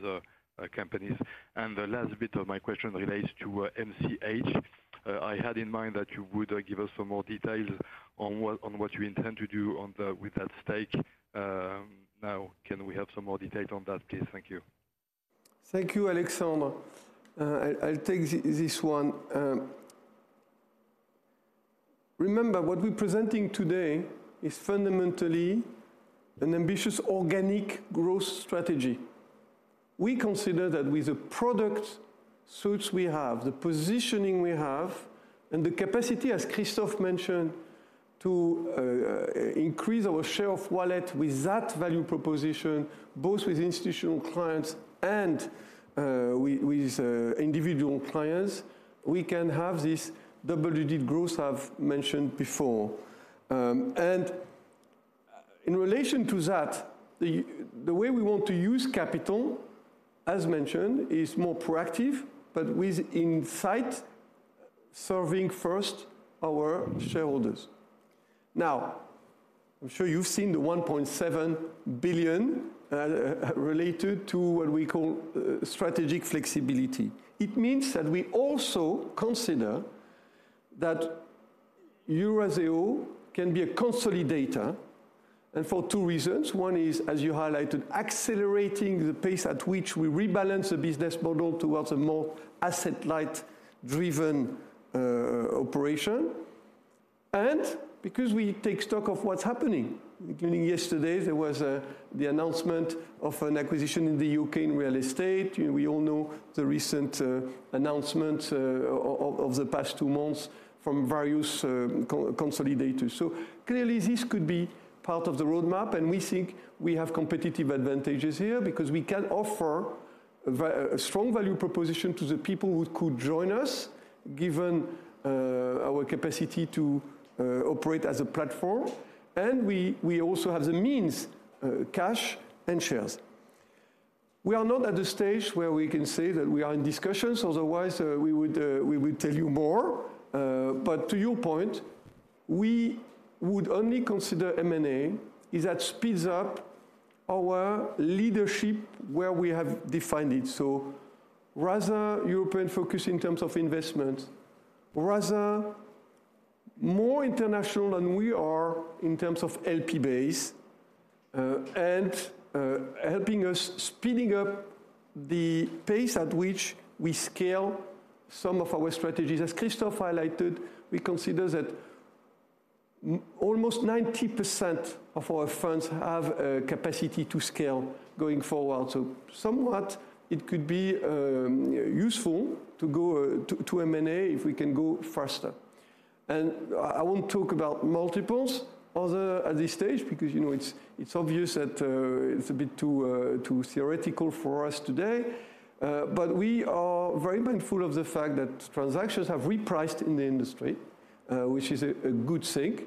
S15: companies. And the last bit of my question relates to MCH. I had in mind that you would give us some more details on what you intend to do with that stake. Now, can we have some more details on that, please? Thank you.
S1: Thank you, Alexandre. I'll take this one. Remember, what we're presenting today is fundamentally an ambitious organic growth strategy. We consider that with the product suites we have, the positioning we have, and the capacity, as Christophe mentioned, to increase our share of wallet with that value proposition, both with institutional clients and with with individual clients, we can have this double-digit growth I've mentioned before. And in relation to that, the way we want to use capital, as mentioned, is more proactive, but with insight, serving first our shareholders. Now, I'm sure you've seen the 1.7 billion related to what we call strategic flexibility. It means that we also consider that Eurazeo can be a consolidator, and for two reasons. One is, as you highlighted, accelerating the pace at which we rebalance the business model towards a more asset-light-driven operation. And because we take stock of what's happening, including yesterday, there was the announcement of an acquisition in the U.K. in real estate. We all know the recent announcement of the past 2 months from various co-consolidators. So clearly, this could be part of the roadmap, and we think we have competitive advantages here because we can offer a strong value proposition to the people who could join us, given our capacity to operate as a platform. And we also have the means, cash and shares. We are not at the stage where we can say that we are in discussions, otherwise we would tell you more. But to your point, we would only consider M&A if that speeds up our leadership where we have defined it. So rather European focus in terms of investment, rather more international than we are in terms of LP base, and helping us speeding up the pace at which we scale some of our strategies. As Christophe highlighted, we consider that almost 90% of our funds have a capacity to scale going forward. So somewhat it could be useful to go to M&A if we can go faster. And I won't talk about multiples other at this stage because, you know, it's obvious that it's a bit too theoretical for us today. But we are very mindful of the fact that transactions have repriced in the industry, which is a good thing,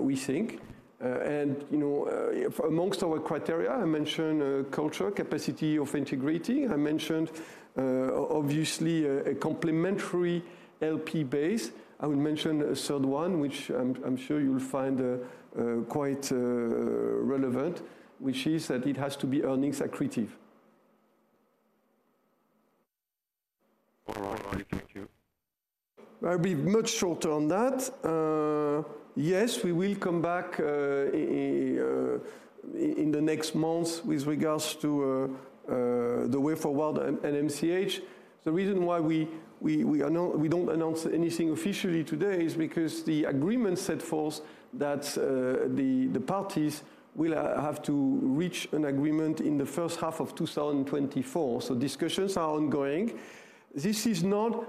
S1: we think. And, you know, among our criteria, I mentioned culture, capacity of integrating. I mentioned, obviously, a complementary LP base. I will mention a third one, which I'm sure you will find quite relevant, which is that it has to be earnings accretive. I'll be much shorter on that. Yes, we will come back in the next months with regards to the way forward and MCH. The reason why we don't announce anything officially today is because the agreement set forth that the parties will have to reach an agreement in the first half of 2024. So discussions are ongoing. This is not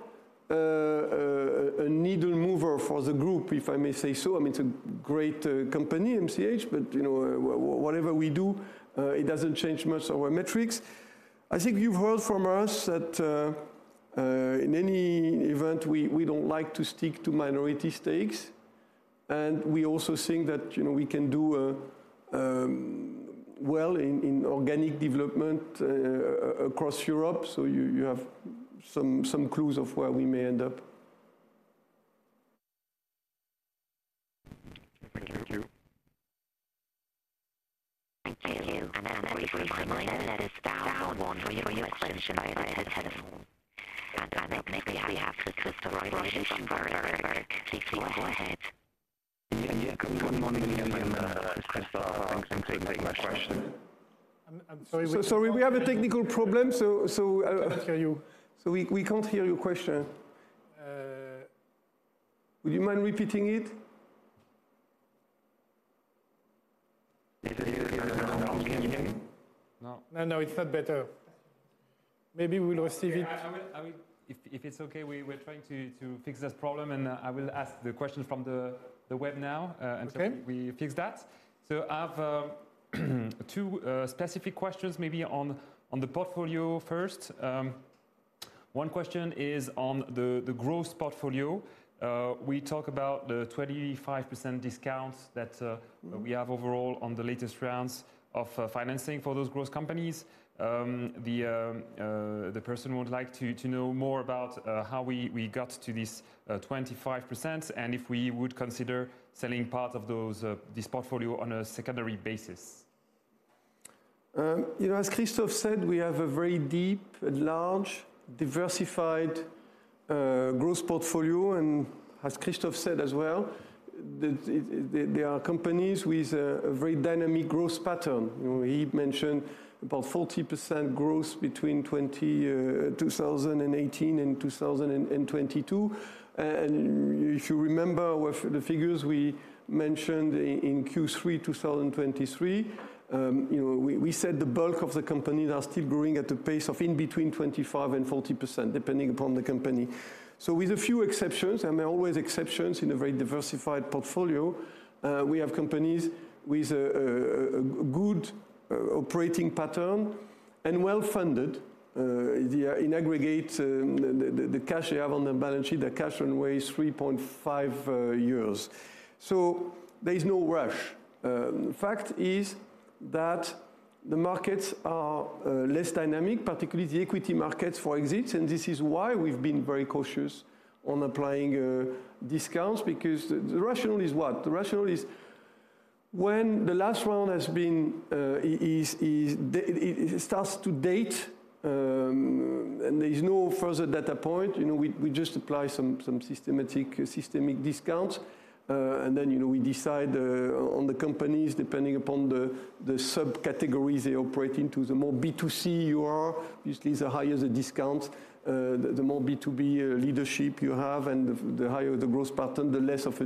S1: a needle mover for the group, if I may say so. I mean, it's a great company, MCH, but, you know, whatever we do, it doesn't change much our metrics. I think you've heard from us that, in any event, we don't like to stick to minority stakes, and we also think that, you know, we can do well in organic development across Europe. So you have some clues of where we may end up.
S15: Thank you.
S12: Thank you. And as a reminder, that is down one for your questions via telephone. And next, we have Christoph Greulich from Berenberg. Please go ahead.
S16: Yeah. Good morning again, it's Christoph. Thanks for taking my question.
S1: I'm sorry, we have a technical problem, so I-
S4: I can't hear you.
S1: So we can't hear your question. Would you mind repeating it? No, no, it's not better. Maybe we will receive it-
S4: I will... If it's okay, we were trying to fix this problem, and I will ask the question from the web now.
S1: Okay.
S4: Until we fix that. So I have two specific questions, maybe on the portfolio first. One question is on the growth portfolio. We talk about the 25% discount that-
S1: Mm-hmm....
S4: we have overall on the latest rounds of financing for those growth companies. The person would like to know more about how we got to this 25%, and if we would consider selling part of this portfolio on a secondary basis.
S1: You know, as Christophe said, we have a very deep and large, diversified growth portfolio, and as Christophe said as well, there are companies with a very dynamic growth pattern. You know, he mentioned about 40% growth between 2018 and 2022. And if you remember, with the figures we mentioned in Q3 2023, you know, we said the bulk of the companies are still growing at a pace of in between 25% and 40%, depending upon the company. So with a few exceptions, and there are always exceptions in a very diversified portfolio, we have companies with a good operating pattern and well-funded. In aggregate, the cash they have on the balance sheet, the cash runway is 3.5 years. So there is no rush. The fact is that the markets are less dynamic, particularly the equity markets, for exits, and this is why we've been very cautious on applying discounts, because the rationale is what? The rationale is when the last round has been, it starts to date, and there's no further data point, you know, we just apply some systematic systemic discounts. And then, you know, we decide on the companies, depending upon the subcategories they operate into. The more B2C you are, usually the higher the discount. The more B2B leadership you have and the higher the growth pattern, the less of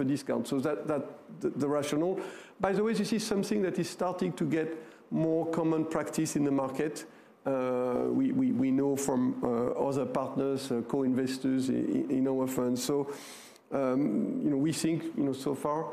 S1: a discount. So that the rationale. By the way, this is something that is starting to get more common practice in the market. We know from other partners, co-investors in our fund. So, you know, we think, you know, so far,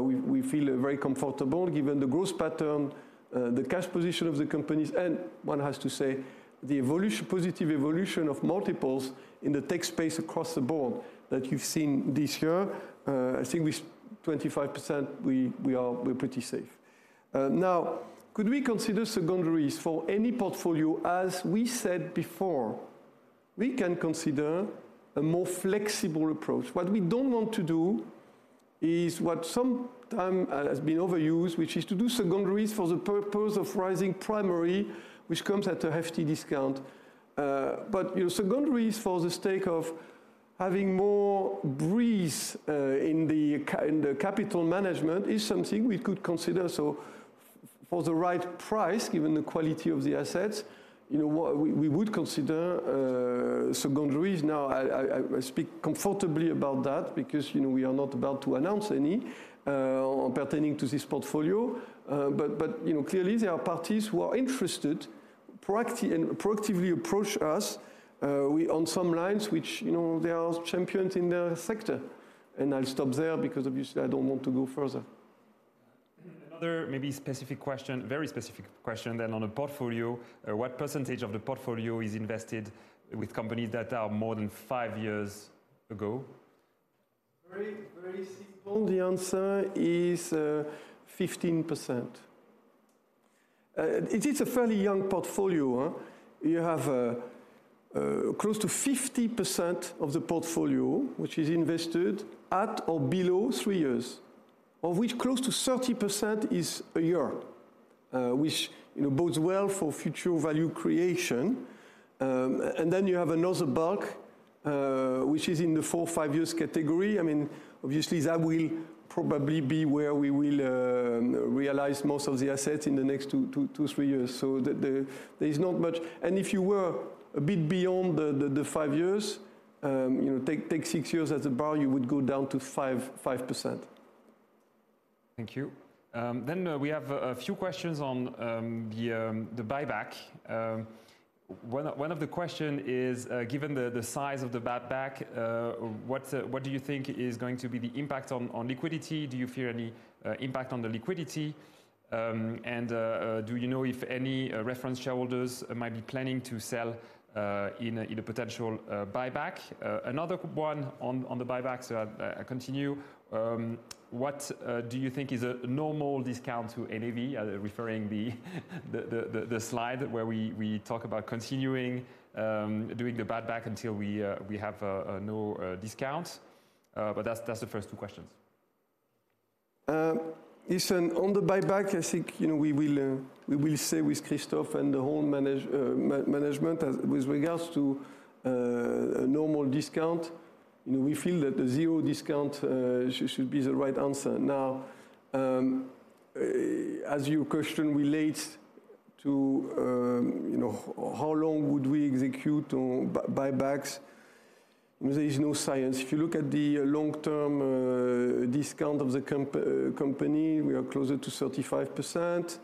S1: we feel very comfortable given the growth pattern, the cash position of the companies, and one has to say, the positive evolution of multiples in the tech space across the board that you've seen this year. I think with 25%, we are pretty safe. Now, could we consider secondaries for any portfolio? As we said before, we can consider a more flexible approach. What we don't want to do is what sometimes has been overused, which is to do secondaries for the purpose of raising primary, which comes at a hefty discount. But, you know, secondaries for the sake of having more breathing room in the capital management, is something we could consider. So for the right price, given the quality of the assets, you know, we would consider secondaries. Now, I speak comfortably about that because, you know, we are not about to announce any pertaining to this portfolio. But, you know, clearly there are parties who are interested, proactively approach us, on some lines which, you know, they are champions in their sector. And I'll stop there because obviously, I don't want to go further.
S4: Another maybe specific question, very specific question then, on the portfolio. What percentage of the portfolio is invested with companies that are more than 5 years ago?
S1: Very, very simple. The answer is 15%. It is a fairly young portfolio. You have close to 50% of the portfolio, which is invested at or below 3 years, of which close to 30% is a year, which, you know, bodes well for future value creation. And then you have another bulk, which is in the 4-5 years category. I mean, obviously, that will probably be where we will realize most of the assets in the next 2, 3 years. So there is not much. And if you were a bit beyond the 5 years, you know, take 6 years as a bar, you would go down to 5%.
S4: Thank you. Then, we have a few questions on the buyback. One of the question is, given the size of the buyback, what do you think is going to be the impact on liquidity? Do you fear any impact on the liquidity? And, do you know if any reference shareholders might be planning to sell in a potential buyback? Another one on the buyback, so I continue. What do you think is a normal discount to NAV, referring the slide where we talk about continuing doing the buyback until we have no discount? But that's the first two questions.
S1: Listen, on the buyback, I think, you know, we will say with Christophe and the whole management, as with regards to a normal discount, you know, we feel that the zero discount should be the right answer. Now, as your question relates to, you know, how long would we execute on buybacks, there is no science. If you look at the long-term discount of the company, we are closer to 35%.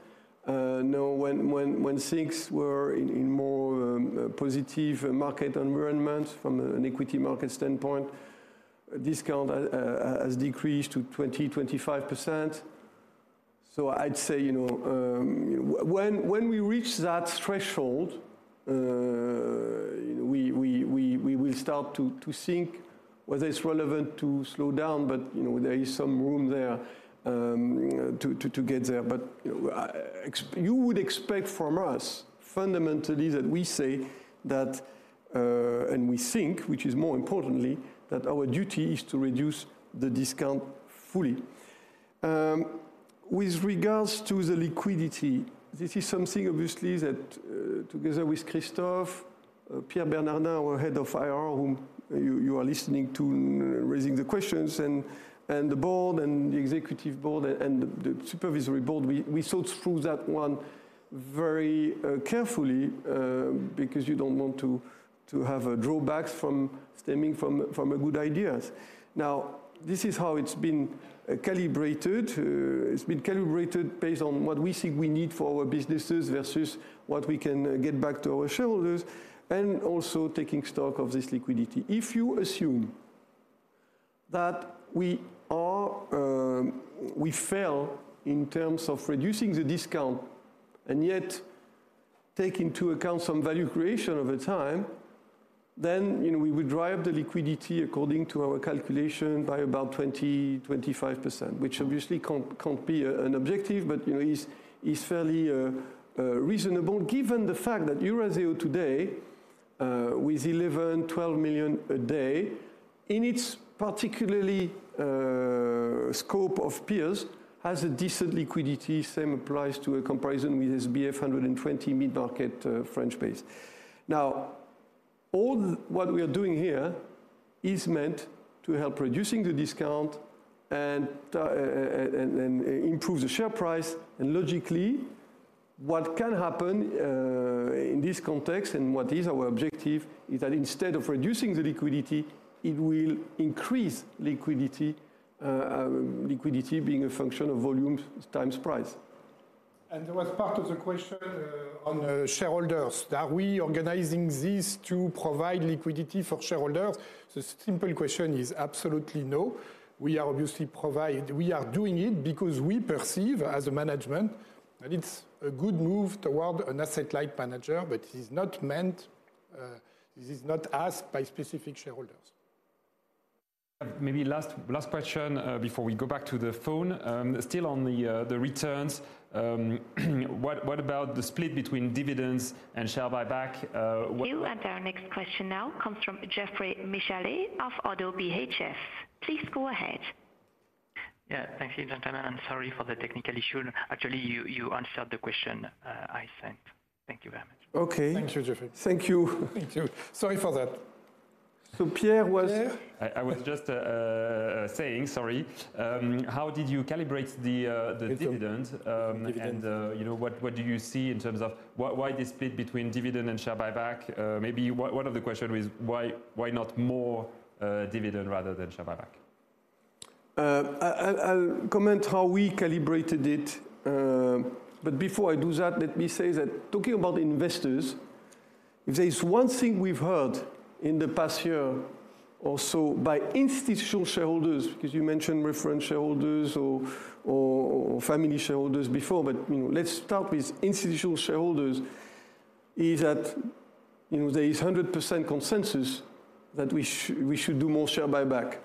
S1: Now, when things were in a more positive market environment from an equity market standpoint, discount has decreased to 20%-25%. So I'd say, you know, when we reach that threshold, we will start to think whether it's relevant to slow down, but, you know, there is some room there to get there. But you would expect from us, fundamentally, that we say that, and we think, which is more importantly, that our duty is to reduce the discount fully. With regards to the liquidity, this is something obviously that, together with Christophe, Pierre Bernardin, our head of IR, whom you are listening to raising the questions, and the board, and the Executive Board, and the Supervisory Board, we thought through that one very carefully, because you don't want to have drawbacks stemming from a good idea. Now, this is how it's been calibrated. It's been calibrated based on what we think we need for our businesses versus what we can give back to our shareholders, and also taking stock of this liquidity. If you assume that we are--we fail in terms of reducing the discount, and yet take into account some value creation over time, then, you know, we would drive the liquidity according to our calculation by about 20, 25%, which obviously can't, can't be a, an objective, but, you know, is, is fairly reasonable, given the fact that Eurazeo today, with 11, 12 million a day, in its particularly scope of peers, has a decent liquidity. Same applies to a comparison with SBF120 mid-market, French base. Now, all what we are doing here is meant to help reducing the discount and improve the share price. Logically, what can happen in this context, and what is our objective, is that instead of reducing the liquidity, it will increase liquidity, liquidity being a function of volume times price.
S2: There was part of the question on the shareholders. Are we organizing this to provide liquidity for shareholders? The simple question is absolutely no. We are obviously—We are doing it because we perceive, as a management, that it's a good move toward an asset-light manager, but it is not meant. This is not asked by specific shareholders.
S4: Maybe last question before we go back to the phone. Still on the returns, what about the split between dividends and share buyback? What-
S12: Thank you, and our next question now comes from Geoffroy Michalet of ODDO BHF. Please go ahead.
S17: Thank you, gentlemen, and sorry for the technical issue. Actually, you answered the question I sent. Thank you very much.
S1: Okay. Thank you, Geoffroy. Thank you.
S2: Thank you. Sorry for that.
S1: So Pierre was-
S2: Pierre?
S4: I was just saying, sorry, how did you calibrate the dividend?
S1: Dividend.
S4: And, you know, what do you see in terms of why this split between dividend and share buyback? Maybe one of the question is, why not more dividend rather than share buyback?
S1: I'll comment how we calibrated it. But before I do that, let me say that talking about investors, if there is one thing we've heard in the past year or so by institutional shareholders, because you mentioned reference shareholders or family shareholders before, but you know, let's start with institutional shareholders, is that you know, there is 100% consensus that we should do more share buyback.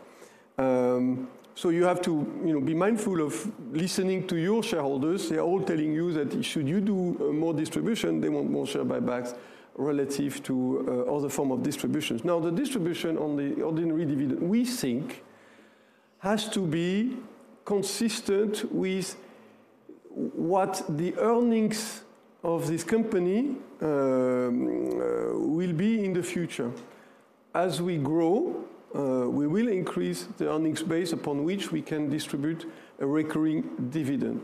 S1: So you have to you know, be mindful of listening to your shareholders. They are all telling you that should you do more distribution, they want more share buybacks relative to other form of distributions. Now, the distribution on the ordinary dividend, we think has to be consistent with what the earnings of this company will be in the future. As we grow, we will increase the earnings base upon which we can distribute a recurring dividend.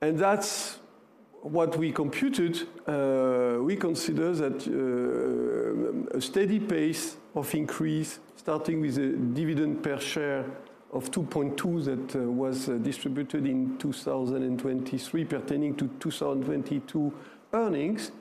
S1: That's what we computed. We consider that a steady pace of increase, starting with a dividend per share of 2.2 that was distributed in 2023, pertaining to 2022 earnings,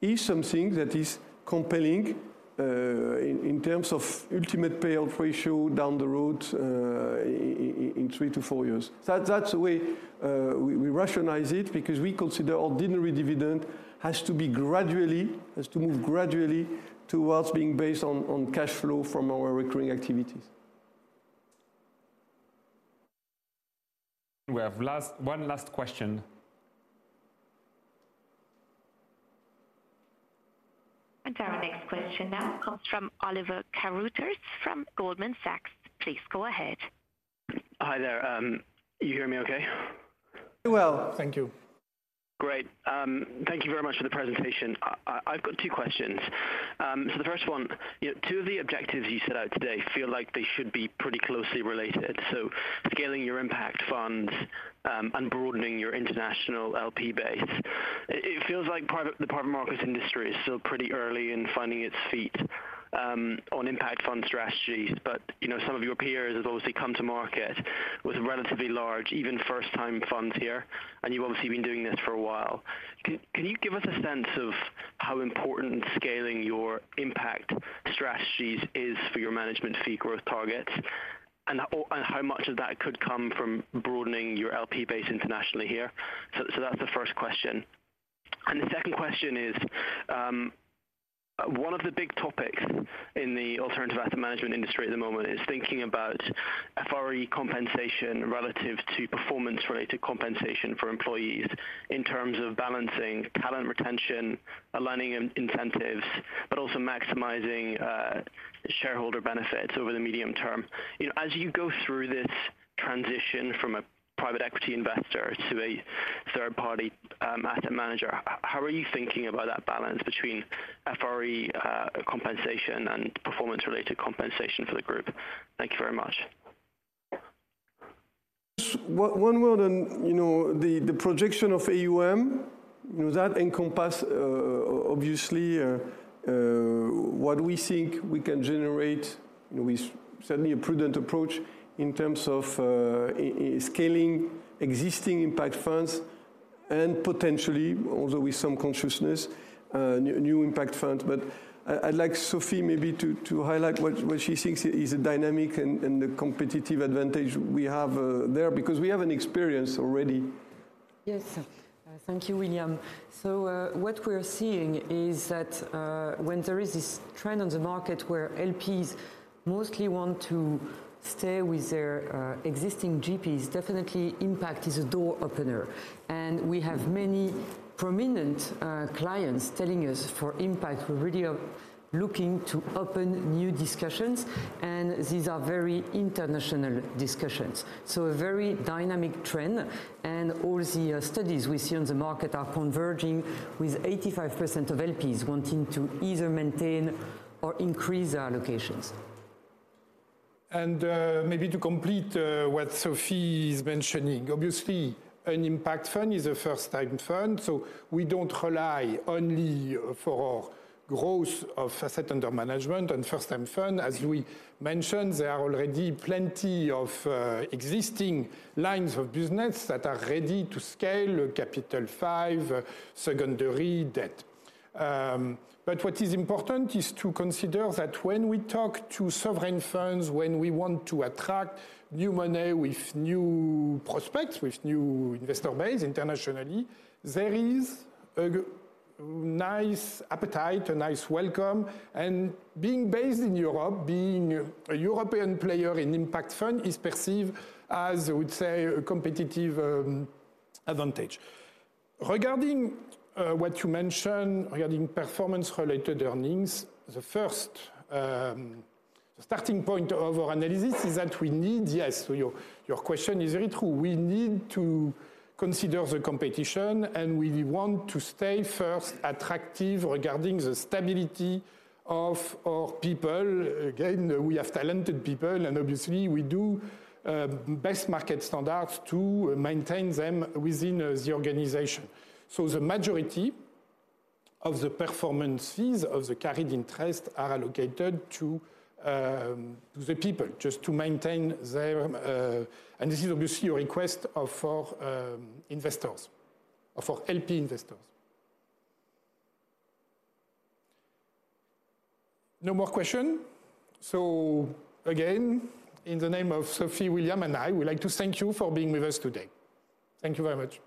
S1: is something that is compelling, in terms of ultimate payout ratio down the road, in 3-4 years. That's the way we rationalize it because we consider ordinary dividend has to be gradually, has to move gradually towards being based on cash flow from our recurring activities.
S4: We have one last question.
S12: Our next question now comes from Oliver Carruthers from Goldman Sachs. Please go ahead.
S18: Hi there. You hear me okay?
S1: Very well, thank you.
S18: Great. Thank you very much for the presentation. I've got two questions. So the first one, you know, two of the objectives you set out today feel like they should be pretty closely related, so scaling your impact fund, and broadening your international LP base. It feels like the private markets industry is still pretty early in finding its feet, on impact fund strategies. But, you know, some of your peers have obviously come to market with relatively large, even first-time funds here, and you've obviously been doing this for a while. Can you give us a sense of how important scaling your impact strategies is for your management fee growth targets? And how much of that could come from broadening your LP base internationally here? So that's the first question. The second question is, one of the big topics in the alternative asset management industry at the moment is thinking about FRE compensation relative to performance-related compensation for employees, in terms of balancing talent retention, aligning incentives, but also maximizing shareholder benefits over the medium term. You know, as you go through this transition from a private equity investor to a third-party asset manager, how are you thinking about that balance between FRE compensation and performance-related compensation for the group? Thank you very much.
S1: One more then, you know, the projection of AUM, you know, that encompass, obviously, what we think we can generate with certainly a prudent approach in terms of scaling existing impact funds and potentially, although with some consciousness, new impact funds. But I'd like Sophie maybe to highlight what she thinks is the dynamic and the competitive advantage we have there, because we have an experience already.
S5: Yes. Thank you, William. So, what we're seeing is that, when there is this trend on the market where LPs mostly want to stay with their, existing GPs, definitely impact is a door opener. And we have many prominent, clients telling us, "For impact, we really are looking to open new discussions," and these are very international discussions. So a very dynamic trend, and all the, studies we see on the market are converging, with 85% of LPs wanting to either maintain or increase their allocations.
S2: Maybe to complete what Sophie is mentioning, obviously, an impact fund is a first-time fund, so we don't rely only for growth of asset under management and first-time fund. As Louis mentioned, there are already plenty of existing lines of business that are ready to scale Capital V secondary debt. But what is important is to consider that when we talk to sovereign funds, when we want to attract new money with new prospects, with new investor base internationally, there is a nice appetite, a nice welcome. And being based in Europe, being a European player in impact fund, is perceived as, I would say, a competitive advantage. Regarding what you mentioned regarding performance-related earnings, the first starting point of our analysis is that we need... Yes, so your, your question is very true. We need to consider the competition, and we want to stay first attractive regarding the stability of our people. Again, we have talented people, and obviously, we do best market standards to maintain them within as the organization. So the majority of the performance fees of the carried interest are allocated to the people, just to maintain their. And this is obviously a request of our investors, of our LP investors. No more question? So again, in the name of Sophie, William, and I, we'd like to thank you for being with us today. Thank you very much.